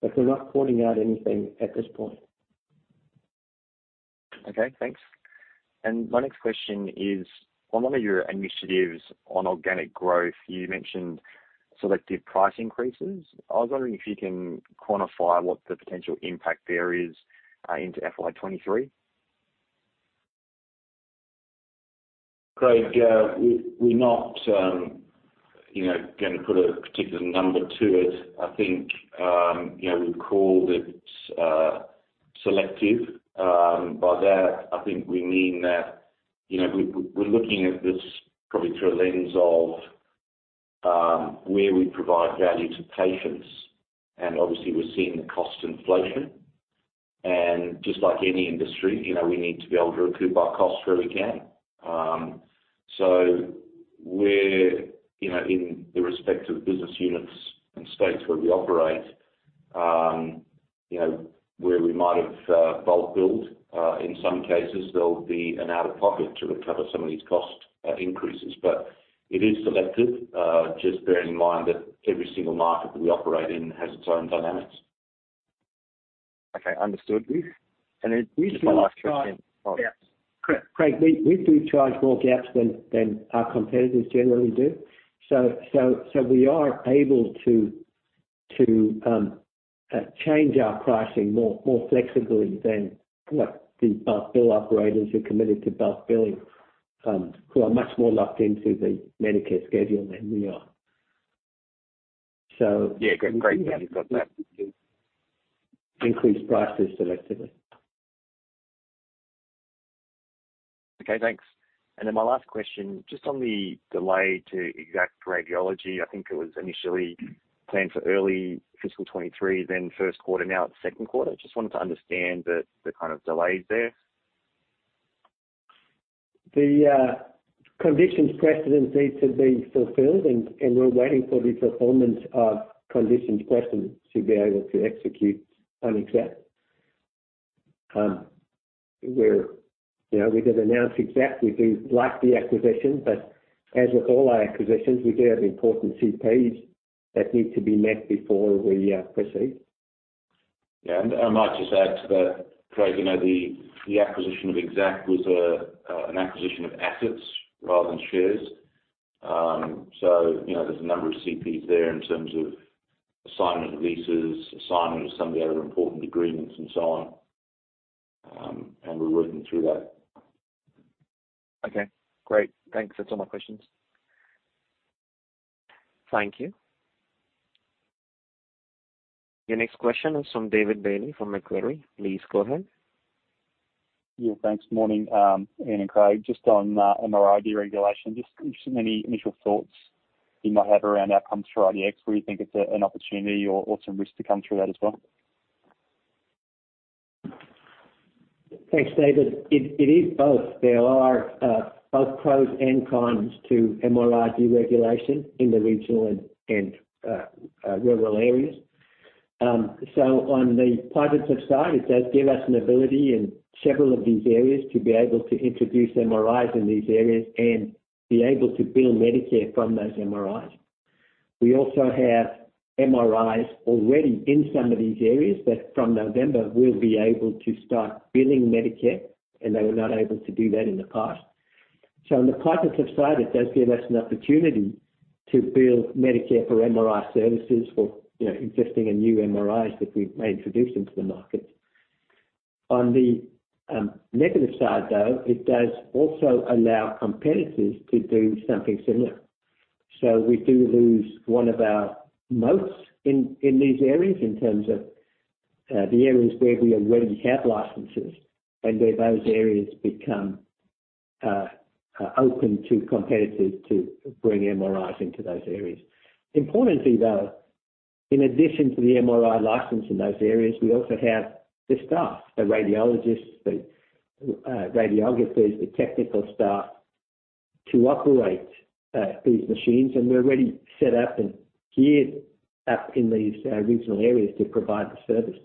but we're not pointing out anything at this point. Okay, thanks. My next question is, on one of your initiatives on organic growth, you mentioned selective price increases. I was wondering if you can quantify what the potential impact there is into FY 2023. Craig, we're not, you know, gonna put a particular number to it. I think, you know, we called it selective. By that, I think we mean that, you know, we're looking at this probably through a lens of where we provide value to patients. Obviously, we're seeing the cost inflation. Just like any industry, you know, we need to be able to recoup our costs where we can. So we're, you know, in the respective business units and states where we operate, you know, where we might have bulk billed, in some cases, there'll be an out-of-pocket to recover some of these cost increases. It is selective. Just bearing in mind that every single market that we operate in has its own dynamics. Okay. Understood. We do charge. My last question. Yeah. Craig, we do charge more gaps than our competitors generally do. So we are able to change our pricing more flexibly than what the bulk bill operators who are committed to bulk billing, who are much more locked into the Medicare schedule than we are. Yeah. Great. Got that. Increase prices selectively. Okay, thanks. My last question, just on the delay to Exact Radiology. I think it was initially planned for early fiscal 2023, then first quarter, now it's second quarter. Just wanted to understand the kind of delays there. The conditions precedent needs to be fulfilled, and we're waiting for the performance of conditions precedent to be able to execute on Exact. We're, you know, we did announce Exact. We'd like the acquisition, but as with all our acquisitions, we do have important CPs that need to be met before we proceed. I might just add to that, Craig, you know, the acquisition of Exact was an acquisition of assets rather than shares. So, you know, there's a number of CPs there in terms of assignment of leases, assignment of some of the other important agreements and so on. We're working through that. Okay, great. Thanks. That's all my questions. Thank you. Your next question is from David Bailey from Macquarie. Please go ahead. Yeah, thanks. Morning, Ian and Craig. Just on MRI deregulation, just any initial thoughts you might have around outcomes for IDX, where you think it's an opportunity or some risk to come through that as well? Thanks, David. It is both. There are both pros and cons to MRI deregulation in the regional and rural areas. On the positive side, it does give us an ability in several of these areas to be able to introduce MRIs in these areas and be able to bill Medicare from those MRIs. We also have MRIs already in some of these areas that from November, we'll be able to start billing Medicare, and they were not able to do that in the past. On the positive side, it does give us an opportunity to bill Medicare for MRI services for, you know, existing and new MRIs that we may introduce into the market. On the negative side, though, it does also allow competitors to do something similar. We do lose one of our moats in these areas in terms of the areas where we already have licenses and where those areas become open to competitors to bring MRIs into those areas. Importantly, though, in addition to the MRI license in those areas, we also have the staff, the radiologists, the radiographers, the technical staff to operate these machines, and they're already set up and geared up in these regional areas to provide the service.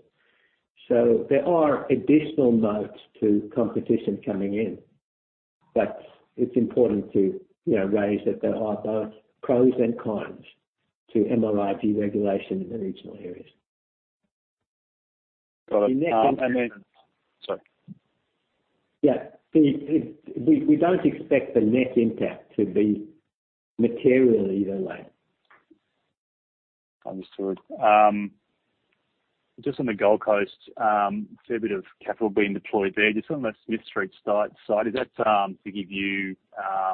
It's important to, you know, raise that there are both pros and cons to MRI deregulation in the regional areas. Got it. The net impact. Sorry. Yeah. We don't expect the net impact to be materially delayed. Understood. Just on the Gold Coast, fair bit of capital being deployed there. Just on the Smith Street site, is that to give you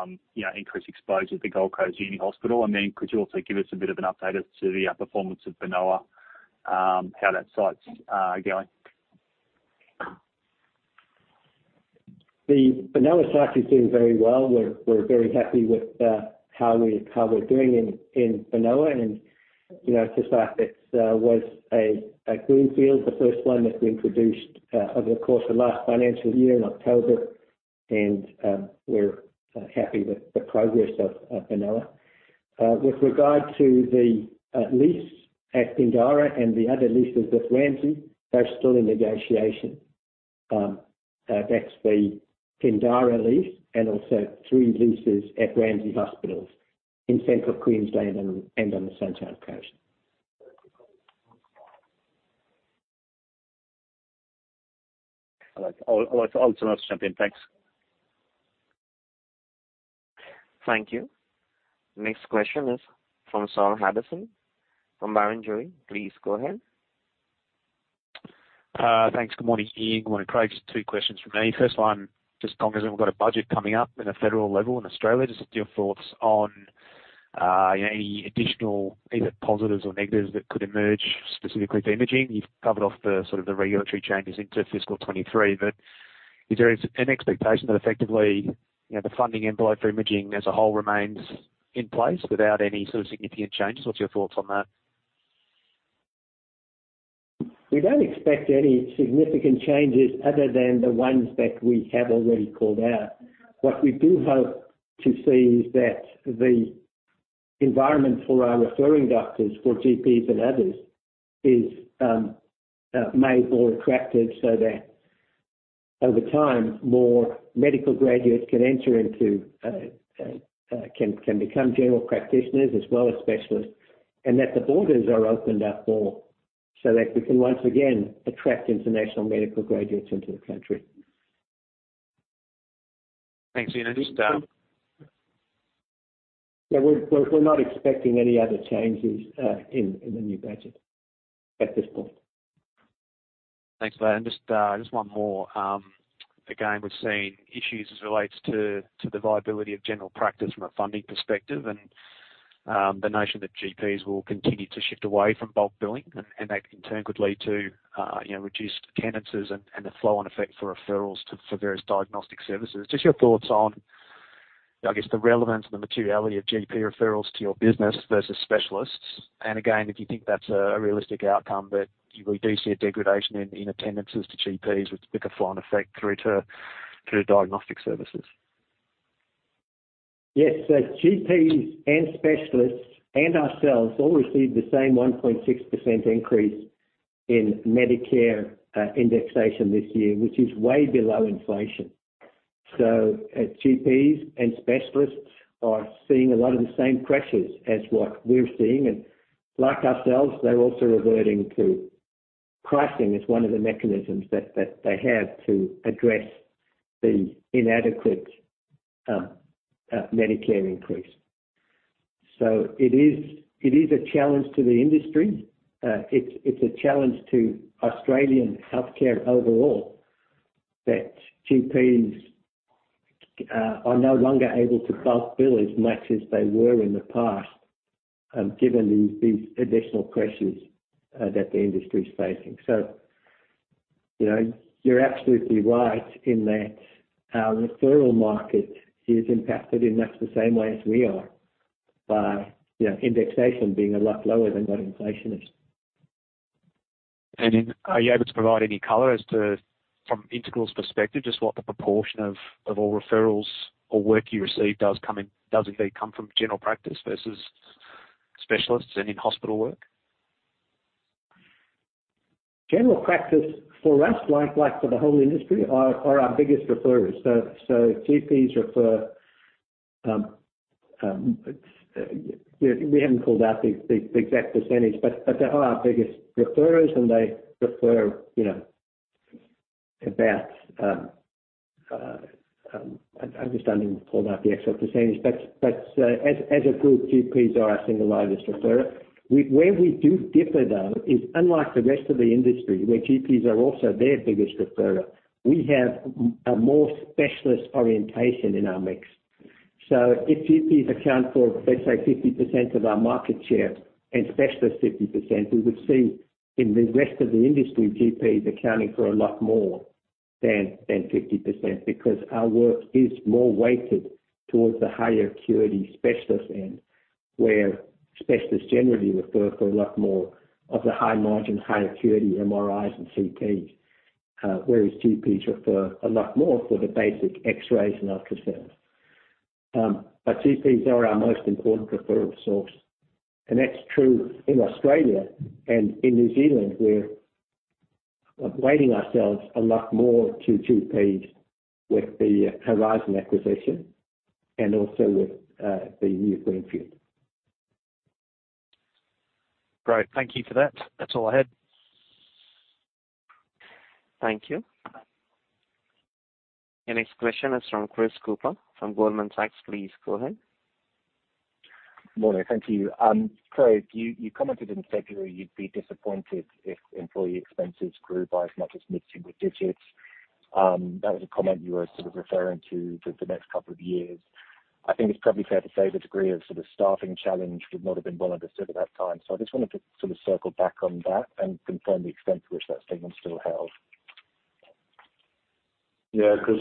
know, increased exposure to Gold Coast Uni Hospital? Could you also give us a bit of an update as to the performance of Benowa, how that site's going? The Benowa site is doing very well. We're very happy with how we're doing in Benowa. You know, to start, it was a greenfield, the first one that we introduced over the course of last financial year in October. We're happy with the progress of Benowa. With regard to the lease at Pindara and the other leases with Ramsay, they're still in negotiation. That's the Pindara lease and also three leases at Ramsay Hospitals in central Queensland and on the Sunshine Coast. All right. All tonight's champion. Thanks. Thank you. Next question is from Saul Hadassin from Barrenjoey. Please go ahead. Thanks. Good morning, Ian. Good morning, Craig. Just two questions from me. First one, just obviously we've got a budget coming up at a federal level in Australia. Just your thoughts on, any additional either positives or negatives that could emerge specifically for imaging. You've covered off the sort of the regulatory changes into fiscal 2023. Is there an expectation that effectively, you know, the funding envelope for imaging as a whole remains in place without any sort of significant changes? What's your thoughts on that? We don't expect any significant changes other than the ones that we have already called out. What we do hope to see is that the environment for our referring doctors, for GPs and others, is made more attractive so that over time, more medical graduates can become general practitioners as well as specialists, and that the borders are opened up more so that we can once again attract international medical graduates into the country. Thanks, Ian. I'll just. Yeah. We're not expecting any other changes in the new budget at this point. Thanks for that. Just one more. Again, we're seeing issues as it relates to the viability of general practice from a funding perspective and the notion that GPs will continue to shift away from bulk billing, and that in turn could lead to you know reduced attendances and the flow-on effect for referrals to various diagnostic services. Just your thoughts on, I guess, the relevance and the materiality of GP referrals to your business versus specialists. Again, if you think that's a realistic outcome that you will do see a degradation in attendances to GPs, which could flow-on effect through to diagnostic services. Yes. GPs and specialists and ourselves all receive the same 1.6% increase in Medicare indexation this year, which is way below inflation. GPs and specialists are seeing a lot of the same pressures as what we're seeing. Like ourselves, they're also reverting to pricing as one of the mechanisms that they have to address the inadequate Medicare increase. It is a challenge to the industry. It's a challenge to Australian healthcare overall that GPs are no longer able to bulk bill as much as they were in the past, given these additional pressures that the industry is facing. You know, you're absolutely right in that our referral market is impacted in much the same way as we are by, you know, indexation being a lot lower than what inflation is. Are you able to provide any color as to, from Integral's perspective, just what the proportion of all referrals or work you receive does indeed come from general practice versus specialists and in-hospital work? General practice for us, like for the whole industry, are our biggest referrers. GPs refer. We haven't called out the exact percentage, but they are our biggest referrers, and they refer, you know, about, I'm just unable to call out the exact percentage. As a group, GPs are our single largest referrer. Where we do differ though is unlike the rest of the industry, where GPs are also their biggest referrer, we have a more specialist orientation in our mix. If GPs account for, let's say, 50% of our market share and specialists 50%, we would see in the rest of the industry, GPs accounting for a lot more than 50% because our work is more weighted towards the higher acuity specialist end. Whereas specialists generally refer for a lot more of the high margin, high acuity MRIs and CTs, whereas GPs refer a lot more for the basic X-rays and ultrasounds. GPs are our most important referral source, and that's true in Australia and in New Zealand. We're weighting ourselves a lot more to GPs with the Horizon acquisition and also with the new greenfield. Great. Thank you for that. That's all I had. Thank you. The next question is from Chris Cooper from Goldman Sachs. Please go ahead. Morning. Thank you. Craig, you commented in February you'd be disappointed if employee expenses grew by as much as mid-single digits. That was a comment you were sort of referring to for the next couple of years. I think it's probably fair to say the degree of sort of staffing challenge would not have been well understood at that time. I just want to sort of circle back on that and confirm the extent to which that statement still held? Yeah, Chris,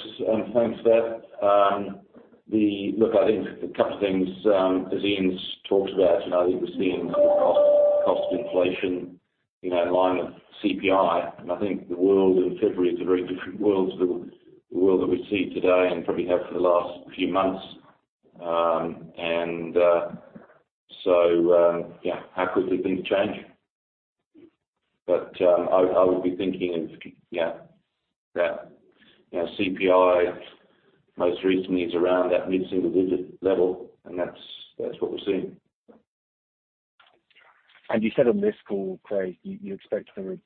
thanks for that. Look, I think a couple of things, as Ian's talked about, you know, we've been seeing the cost of inflation, you know, in line with CPI. I think the world in February is a very different world to the world that we see today and probably have for the last few months. How quickly things change. I would be thinking of, yeah, that, you know, CPI most recently is around that mid-single digit level, and that's what we're seeing. You said on this call, Craig, you expect there is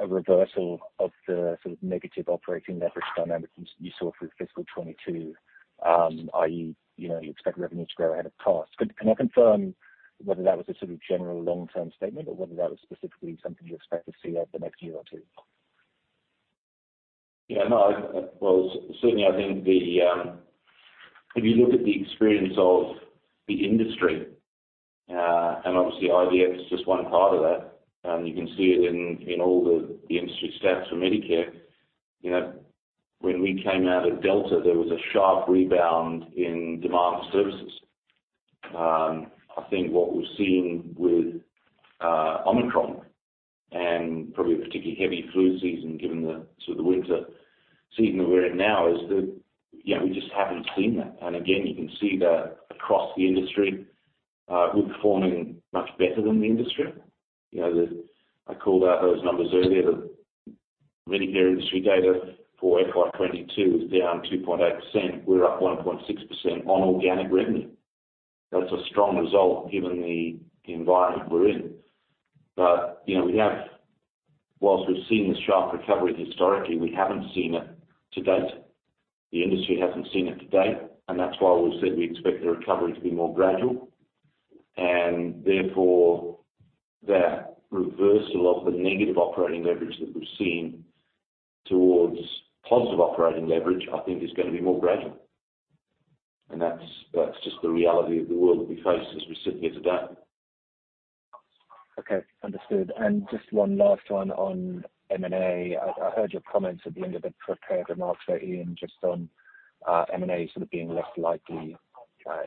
a reversal of the sort of negative operating leverage dynamics you saw through fiscal 2022, i.e., you know, you expect revenue to grow ahead of costs. Can I confirm whether that was a sort of general long-term statement or whether that was specifically something you expect to see over the next year or two? Well, certainly, I think if you look at the experience of the industry, and obviously, IDX is just one part of that, you can see it in all the industry stats for Medicare. You know, when we came out of Delta, there was a sharp rebound in demand for services. I think what we're seeing with Omicron and probably a particularly heavy flu season, given the sort of the winter season that we're in now is that, you know, we just haven't seen that. Again, you can see that across the industry, we're performing much better than the industry. You know, I called out those numbers earlier. The Medicare industry data for FY 2022 was down 2.8%. We're up 1.6% on organic revenue. That's a strong result given the environment we're in. You know, while we've seen the sharp recovery historically, we haven't seen it to date. The industry hasn't seen it to date, and that's why we've said we expect the recovery to be more gradual. Therefore, that reversal of the negative operating leverage that we've seen towards positive operating leverage, I think is gonna be more gradual. That's just the reality of the world that we face as we sit here today. Okay. Understood. Just one last one on M&A. I heard your comments at the end of the prepared remarks there, Ian, just on M&A sort of being less likely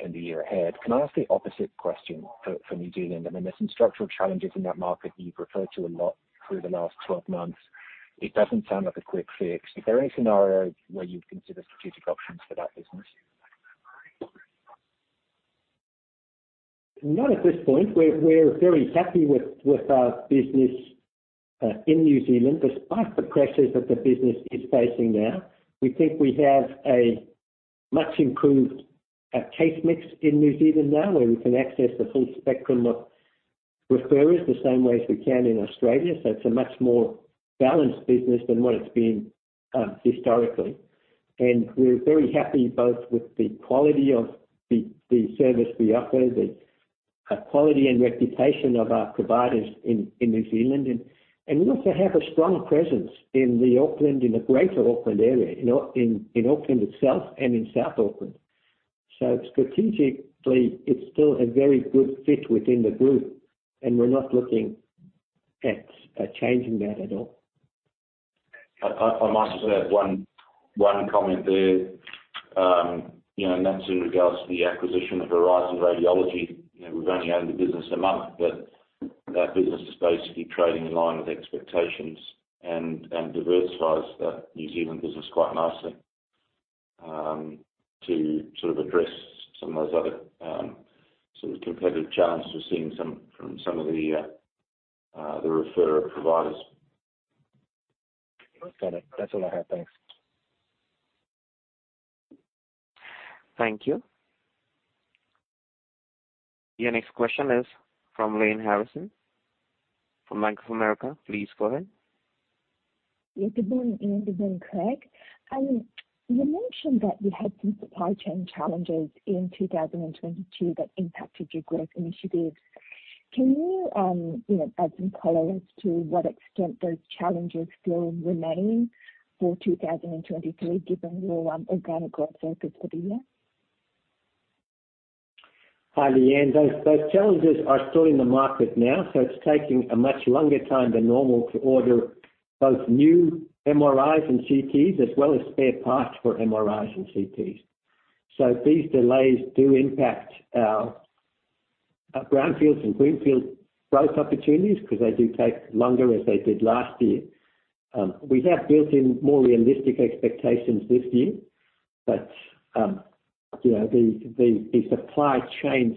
in the year ahead. Can I ask the opposite question for New Zealand? I mean, there's some structural challenges in that market you've referred to a lot through the last 12 months. It doesn't sound like a quick fix. Is there any scenario where you'd consider strategic options for that business? Not at this point. We're very happy with our business in New Zealand, despite the pressures that the business is facing there. We think we have a much improved case mix in New Zealand now, where we can access the full spectrum of referrers the same way as we can in Australia. It's a much more balanced business than what it's been historically. We're very happy both with the quality of the service we offer, the quality and reputation of our providers in New Zealand. We also have a strong presence in the Greater Auckland area, in Auckland itself and in South Auckland. Strategically, it's still a very good fit within the group, and we're not looking at changing that at all. I might just add one comment there. You know, that's in regards to the acquisition of Horizon Radiology. You know, we've only owned the business a month, but that business is basically trading in line with expectations and diversifies the New Zealand business quite nicely. To address some of those other sort of competitive challenges we're seeing some from some of the referrer providers. Okay. That's all I have. Thanks. Thank you. Your next question is from Lyanne Harrison from Bank of America. Please go ahead. Yes, good morning, Ian. Good morning, Craig. You mentioned that you had some supply chain challenges in 2022 that impacted your growth initiatives. Can you know, add some color as to what extent those challenges still remain for 2023, given your organic growth focus for the year? Hi, Lyanne. Those challenges are still in the market now, so it's taking a much longer time than normal to order both new MRIs and CTs, as well as spare parts for MRIs and CTs. These delays do impact our brownfields and greenfield growth opportunities because they do take longer as they did last year. We have built in more realistic expectations this year, but you know, the supply chain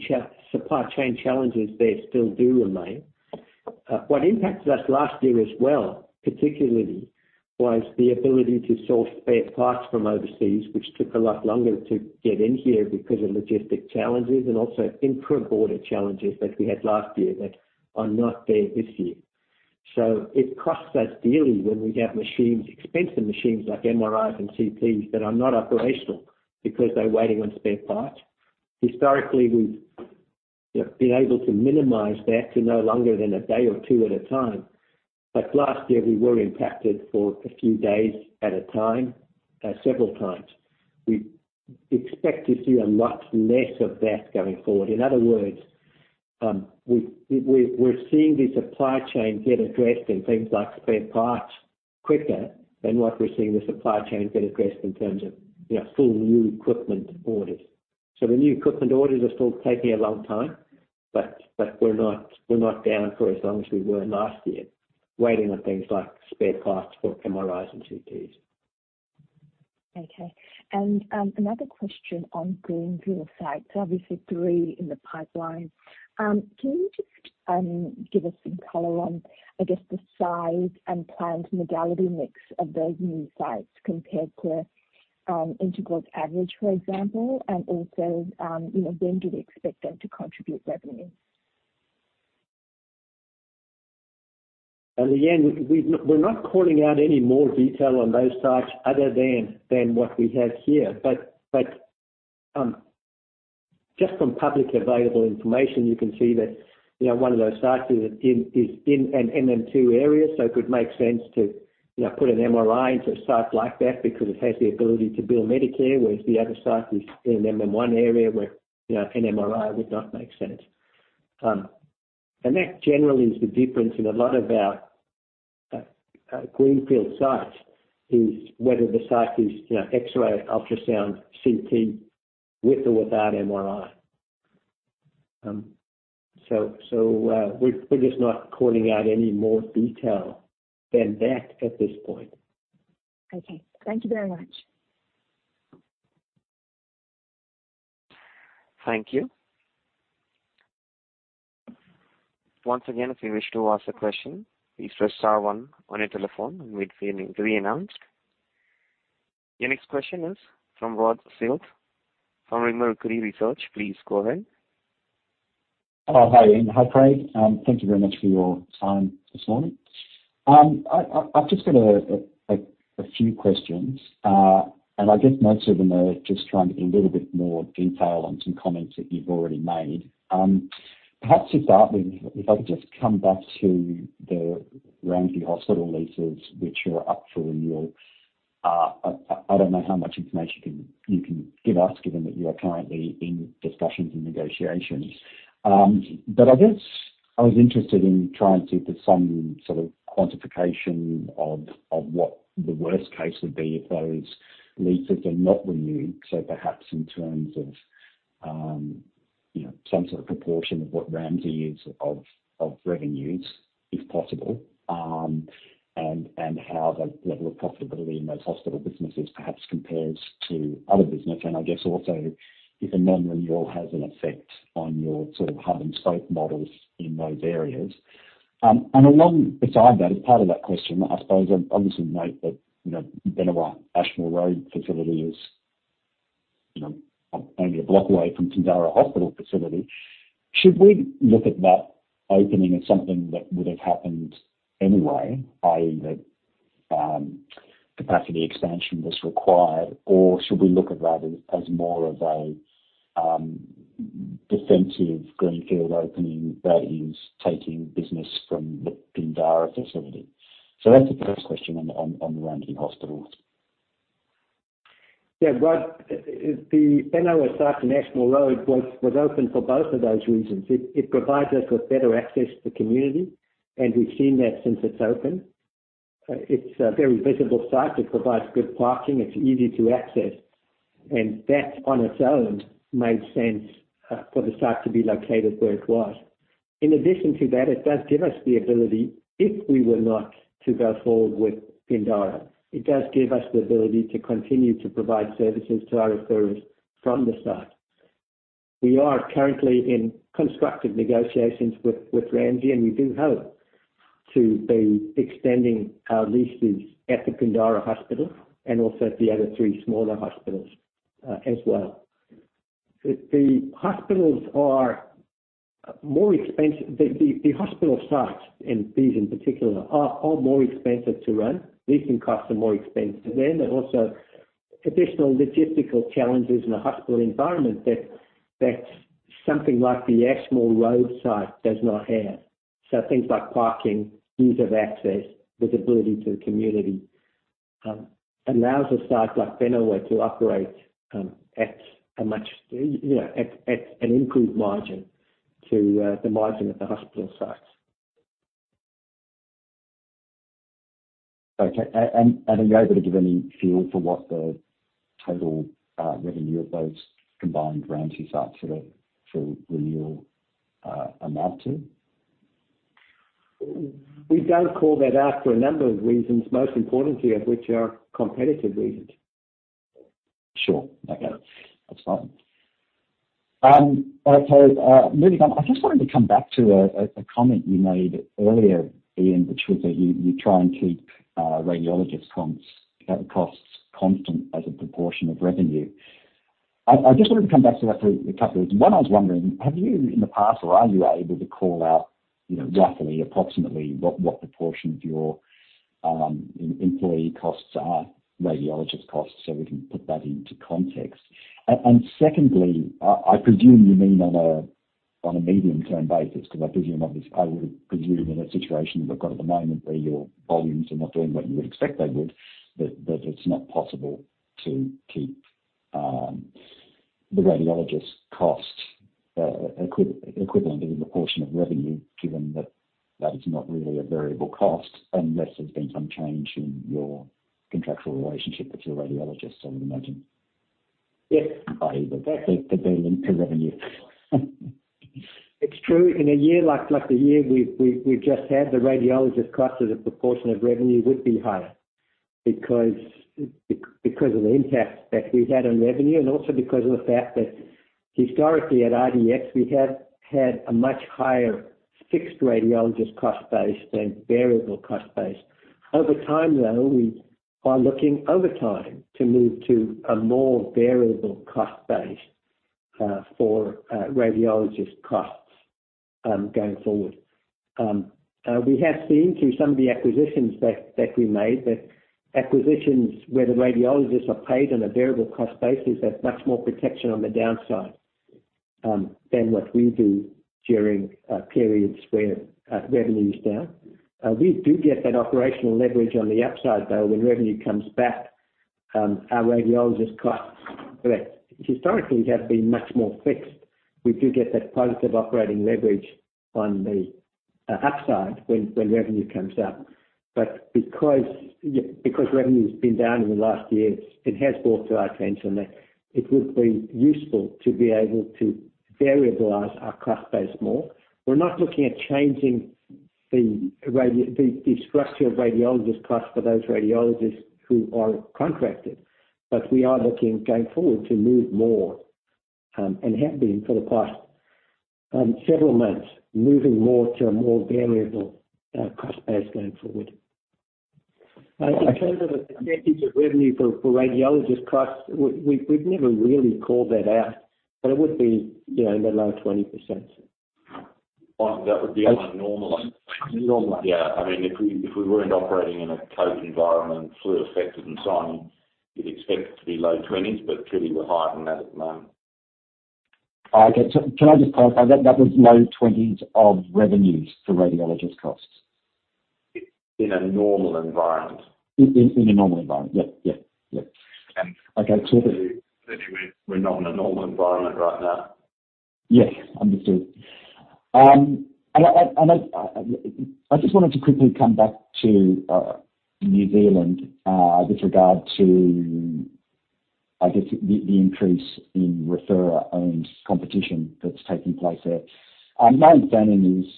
challenges there still do remain. What impacted us last year as well, particularly, was the ability to source spare parts from overseas, which took a lot longer to get in here because of logistics challenges and also intra-border challenges that we had last year that are not there this year. It costs us dearly when we have machines, expensive machines like MRIs and CTs that are not operational because they're waiting on spare parts. Historically, we've, you know, been able to minimize that to no longer than a day or two at a time. Last year we were impacted for a few days at a time, several times. We expect to see a lot less of that going forward. In other words, we're seeing the supply chain get addressed in things like spare parts quicker than what we're seeing the supply chain get addressed in terms of, you know, full new equipment orders. The new equipment orders are still taking a long time, but we're not down for as long as we were last year, waiting on things like spare parts for MRIs and CTs. Another question on greenfield sites, obviously three in the pipeline. Can you just give us some color on, I guess, the size and planned modality mix of those new sites compared to Integral's average, for example, and also, you know, when do you expect them to contribute revenue? Lyanne, we're not calling out any more detail on those sites other than what we have here. But just from publicly available information, you can see that, you know, one of those sites is in an MM2 area, so it could make sense to, you know, put an MRI into a site like that because it has the ability to bill Medicare, whereas the other site is in an MM1 area where, you know, an MRI would not make sense. That generally is the difference in a lot of our greenfield sites, is whether the site is, you know, X-ray, ultrasound, CT with or without MRI. We're just not calling out any more detail than that at this point. Okay. Thank you very much. Thank you. Once again, if you wish to ask a question, please press star one on your telephone and we'd be able to re-announce. Your next question is from Rod Sleath from Rimor Equity Research. Please go ahead. Hi, Ian. Hi, Craig. Thank you very much for your time this morning. I've just got a few questions. I guess most of them are just trying to get a little bit more detail on some comments that you've already made. Perhaps to start with, if I could just come back to the Ramsay Hospital leases, which are up for renewal. I don't know how much information you can give us given that you are currently in discussions and negotiations. I guess I was interested in trying to get some sort of quantification of what the worst case would be if those leases are not renewed. Perhaps in terms of, you know, some sort of proportion of what Ramsay is of revenues, if possible, and how the level of profitability in those hospital businesses perhaps compares to other business. I guess also if a non-renewal has an effect on your sort of hub and spoke models in those areas. Alongside that, as part of that question, I suppose, obviously note that, you know, Benowa Ashmore Road facility is, you know, only a block away from Pindara Hospital facility. Should we look at that opening as something that would have happened anyway, i.e., that capacity expansion was required, or should we look at that as more of a defensive greenfield opening that is taking business from the Pindara facility? That's the first question on the Ramsay Hospitals. Yeah. Rod, the Benowa site in Ashmore Road was open for both of those reasons. It provides us with better access to community, and we've seen that since it's opened. It's a very visible site. It provides good parking. It's easy to access. That on its own made sense for the site to be located where it was. In addition to that, it does give us the ability, if we were not to go forward with Pindara, to continue to provide services to our referrers from the start. We are currently in constructive negotiations with Ramsay, and we do hope to be extending our leases at the Pindara hospital and also at the other three smaller hospitals, as well. The hospitals are more expensive. The hospital sites, and these in particular, are more expensive to run. Leasing costs are more expensive than. There are also additional logistical challenges in a hospital environment that something like the Ashmore Road site does not have. Things like parking, ease of access, visibility to the community allows a site like Benowa to operate at a much you know at an improved margin to the margin at the hospital sites. Are you able to give any feel for what the total revenue of those combined branches are for the renewal amount to? We don't call that out for a number of reasons, most importantly of which are competitive reasons. Sure. Okay. That's fine. Okay. Moving on, I just wanted to come back to a comment you made earlier, Ian, which was that you try and keep radiologist costs constant as a proportion of revenue. I just wanted to come back to that for a couple of reasons. One, I was wondering, have you in the past or are you able to call out, you know, roughly approximately what proportion of your employee costs are radiologist costs so we can put that into context? Secondly, I presume you mean on a medium-term basis, because I presume, obviously, in a situation you've got at the moment where your volumes are not doing what you would expect they would, that it's not possible to keep the radiologist costs equivalent as a proportion of revenue, given that that is not really a variable cost unless there's been some change in your contractual relationship with your radiologists, I would imagine. Yes. Either that or their link to revenue? It's true. In a year like the year we've just had, the radiologist cost as a proportion of revenue would be higher because of the impact that we had on revenue and also because of the fact that historically at IDX, we have had a much higher fixed radiologist cost base than variable cost base. Over time, though, we are looking over time to move to a more variable cost base for radiologist costs going forward. We have seen through some of the acquisitions that we made, that acquisitions where the radiologists are paid on a variable cost basis have much more protection on the downside than what we do during periods where revenue is down. We do get that operational leverage on the upside, though, when revenue comes back. Our radiologist costs, historically, have been much more fixed. We do get that positive operating leverage on the upside when revenue comes up. Because, you know, because revenue's been down in the last year, it has brought to our attention that it would be useful to be able to variabilize our cost base more. We're not looking at changing the structure of radiologist costs for those radiologists who are contracted, but we are looking going forward to move more, and have been for the past several months, moving more to a more variable cost base going forward. In terms of the percentage of revenue for radiologist costs, we've never really called that out, but it would be, you know, in the low 20%. That would be in a normal year. Normal. Yeah. I mean, if we weren't operating in a COVID environment, flu-affected and so on, you'd expect it to be low 20s%, but clearly we're higher than that at the moment. Okay. Can I just clarify that? That was low 20s% of revenues for radiologist costs. In a normal environment. In a normal environment. Yep. And- Okay, cool. Clearly we're not in a normal environment right now. Yes. Understood. I just wanted to quickly come back to New Zealand with regard to, I guess, the increase in referrer-owned competition that's taking place there. My understanding is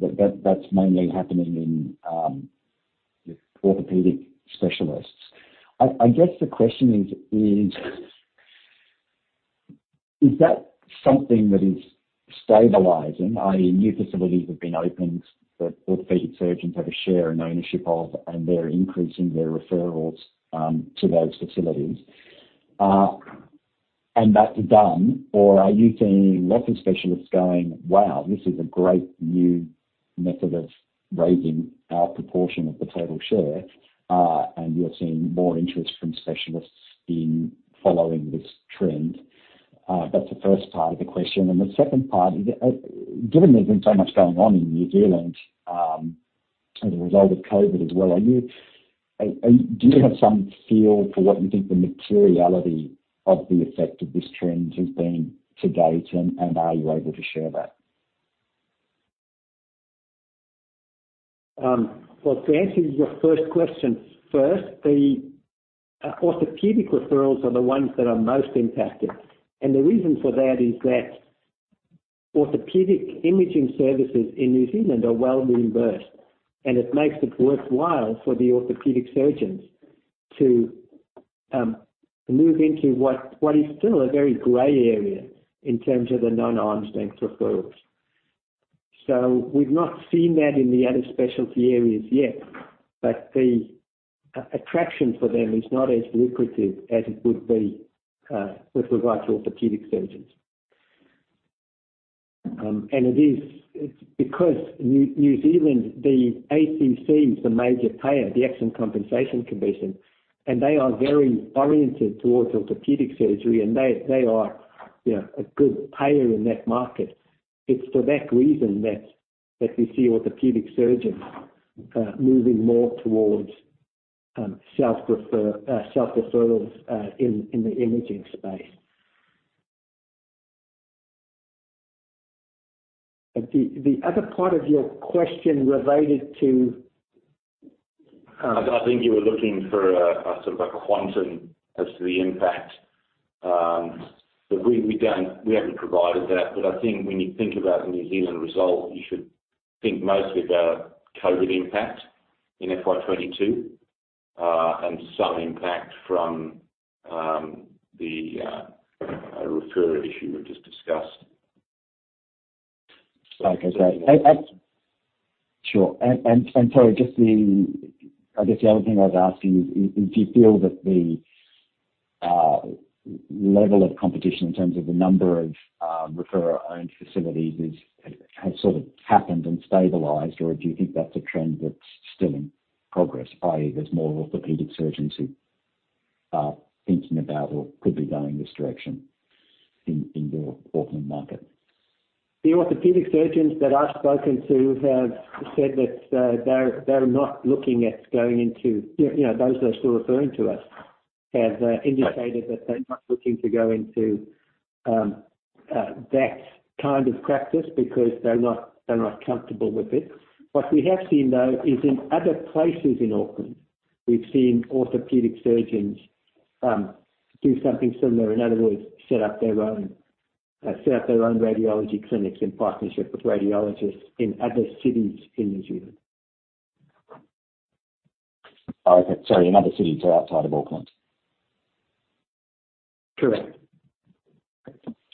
that that's mainly happening with orthopedic specialists. I guess the question is that something that is stabilizing? I.e., new facilities have been opened that orthopedic surgeons have a share and ownership of, and they're increasing their referrals to those facilities. And that's done. Or are you seeing lots of specialists going, "Wow, this is a great new method of raising our proportion of the total share." And you're seeing more interest from specialists in following this trend. That's the first part of the question. The second part, given there's been so much going on in New Zealand, as a result of COVID as well, do you have some feel for what you think the materiality of the effect of this trend has been to date, and are you able to share that? Well, to answer your first question first, the orthopedic referrals are the ones that are most impacted. The reason for that is that orthopedic imaging services in New Zealand are well reimbursed, and it makes it worthwhile for the orthopedic surgeons to move into what is still a very gray area in terms of the non-arm's length referrals. We've not seen that in the other specialty areas yet, but the attraction for them is not as lucrative as it would be with regard to orthopedic surgeons. It is because New Zealand, the ACC is the major payer, the Accident Compensation Corporation, and they are very oriented towards orthopedic surgery, and they are, you know, a good payer in that market. It's for that reason that we see orthopedic surgeons moving more towards self-referrals in the imaging space. The other part of your question related to I think you were looking for a sort of quantum as to the impact. We don't, we haven't provided that. I think when you think about the New Zealand result, you should think mostly about COVID impact in FY 2022, and some impact from the referrer issue we've just discussed. Okay. Great. Sure. So, I guess the other thing I'd ask you is, do you feel that the level of competition in terms of the number of referrer-owned facilities has sort of happened and stabilized, or do you think that's a trend that's still in progress, i.e., there's more orthopedic surgeons who are thinking about or could be going this direction in your Auckland market? The orthopedic surgeons that I've spoken to have said that they're not looking at going into, you know, those that are still referring to us have indicated that they're not looking to go into that kind of practice because they're not comfortable with it. What we have seen, though, is in other places in Auckland, we've seen orthopedic surgeons do something similar. In other words, set up their own radiology clinics in partnership with radiologists in other cities in New Zealand. Oh, okay. Sorry, in other cities outside of Auckland? Correct.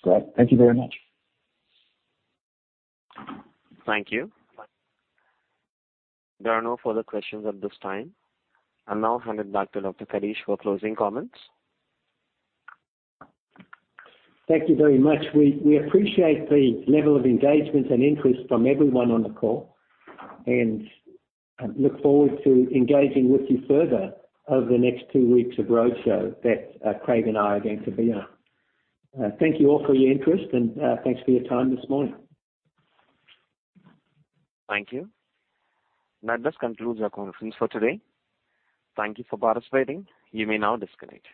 Great. Thank you very much. Thank you. There are no further questions at this time. I'll now hand it back to Dr. Kadish for closing comments. Thank you very much. We appreciate the level of engagement and interest from everyone on the call, and look forward to engaging with you further over the next two weeks of roadshow that Craig and I are going to be on. Thank you all for your interest and, thanks for your time this morning. Thank you. That does conclude our conference for today. Thank you for participating. You may now disconnect.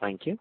Thank you.